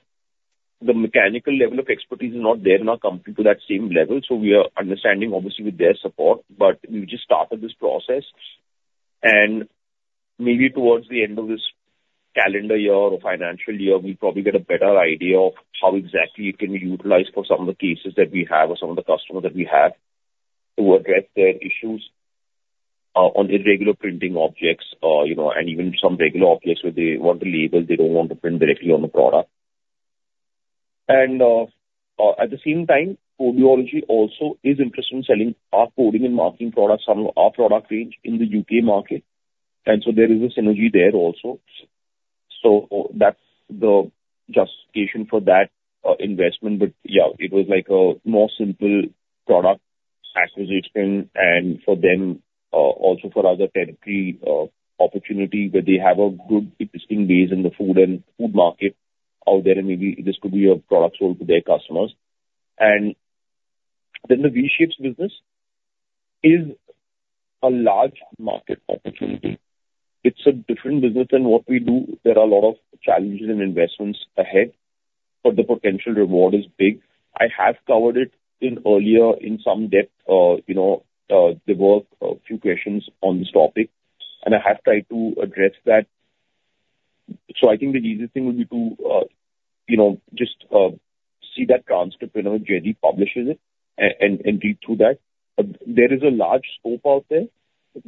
the mechanical level of expertise is not there in our company to that same level. So we are understanding, obviously, with their support. But we've just started this process. And maybe towards the end of this calendar year or financial year, we'll probably get a better idea of how exactly it can be utilized for some of the cases that we have or some of the customers that we have to address their issues on irregular printing objects and even some regular objects where they want the label. They don't want to print directly on the product. And at the same time, Codeology also is interested in selling our coding and marking products, our product range in the U.K. market. And so there is a synergy there also. So that's the justification for that investment. But yeah, it was like a more simple product acquisition and for them, also for other territory opportunity where they have a good existing base in the food market out there. And maybe this could be a product sold to their customers. And then the V-Shapes business is a large market opportunity. It's a different business than what we do. There are a lot of challenges and investments ahead, but the potential reward is big. I have covered it earlier in some depth. There were a few questions on this topic, and I have tried to address that. So I think the easiest thing would be to just see that transcript whenever Jaideep publishes it and read through that. There is a large scope out there.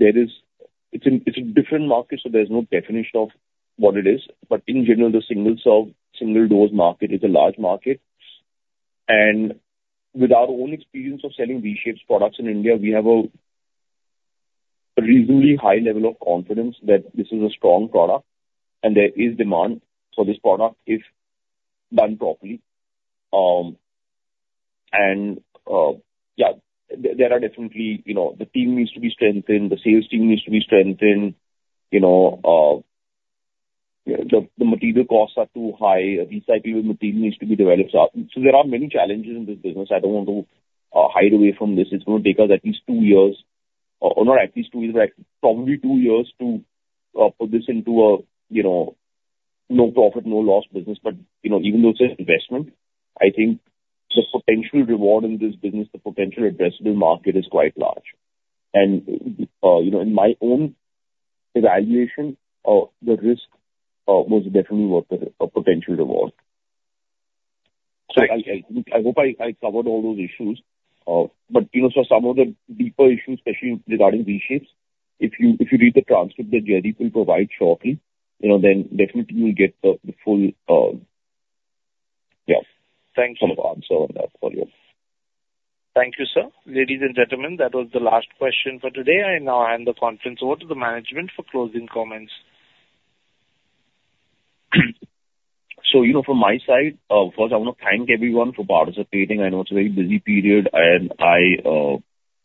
It's a different market, so there's no definition of what it is. But in general, the single-serve, single-dose market is a large market. And with our own experience of selling V-Shapes products in India, we have a reasonably high level of confidence that this is a strong product, and there is demand for this product if done properly. And yeah, there are definitely the team needs to be strengthened. The sales team needs to be strengthened. The material costs are too high. A recyclable material needs to be developed. So there are many challenges in this business. I don't want to hide away from this. It's going to take us at least two years or not at least two years, but probably two years to put this into a no-profit, no-loss business. But even though it's an investment, I think the potential reward in this business, the potential addressable market is quite large. In my own evaluation, the risk was definitely worth the potential reward. I hope I covered all those issues. Some of the deeper issues, especially regarding V-Shapes, if you read the transcript that Jaideep will provide shortly, then definitely, you'll get the full, yeah, some of the answer on that for you.
Thank you, sir. Ladies and gentlemen, that was the last question for today. I now hand the conference over to the management for closing comments.
From my side, first, I want to thank everyone for participating. I know it's a very busy period, and I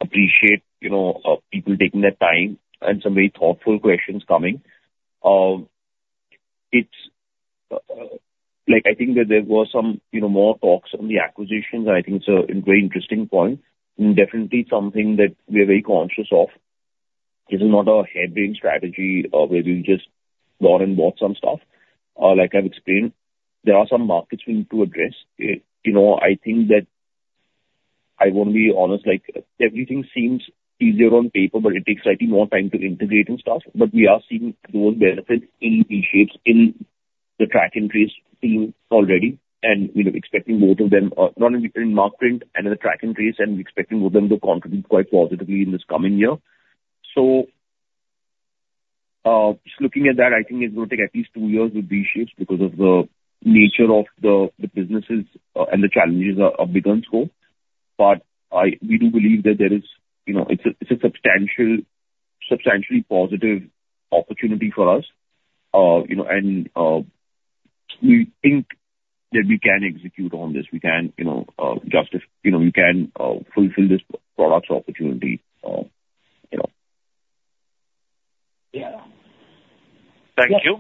appreciate people taking their time and some very thoughtful questions coming. I think that there were some more talks on the acquisitions, and I think it's a very interesting point and definitely something that we are very conscious of. This is not a headbrain strategy where we've just gone and bought some stuff. Like I've explained, there are some markets we need to address. I think that I want to be honest. Everything seems easier on paper, but it takes slightly more time to integrate and stuff. But we are seeing those benefits in V-Shapes, in the track and trace team already, and we're expecting both of them, not in Markprint and in the track and trace, and we're expecting both of them to contribute quite positively in this coming year. So just looking at that, I think it's going to take at least two years with V-Shapes because of the nature of the businesses and the challenges are bigger and small. But we do believe that there is it's a substantially positive opportunity for us. And we think that we can execute on this. We can justify we can fulfill this product's opportunity.
Yeah. Thank you.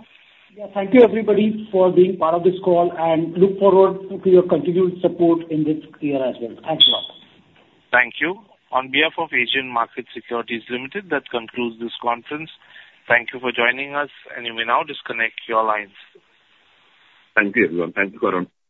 Yeah. Thank you, everybody, for being part of this call. Look forward to your continued support in this year as well. Thanks a lot.
Thank you. On behalf of Asian Markets Securities Limited, that concludes this conference. Thank you for joining us, and you may now disconnect your lines.
Thank you, everyone. Thank you for.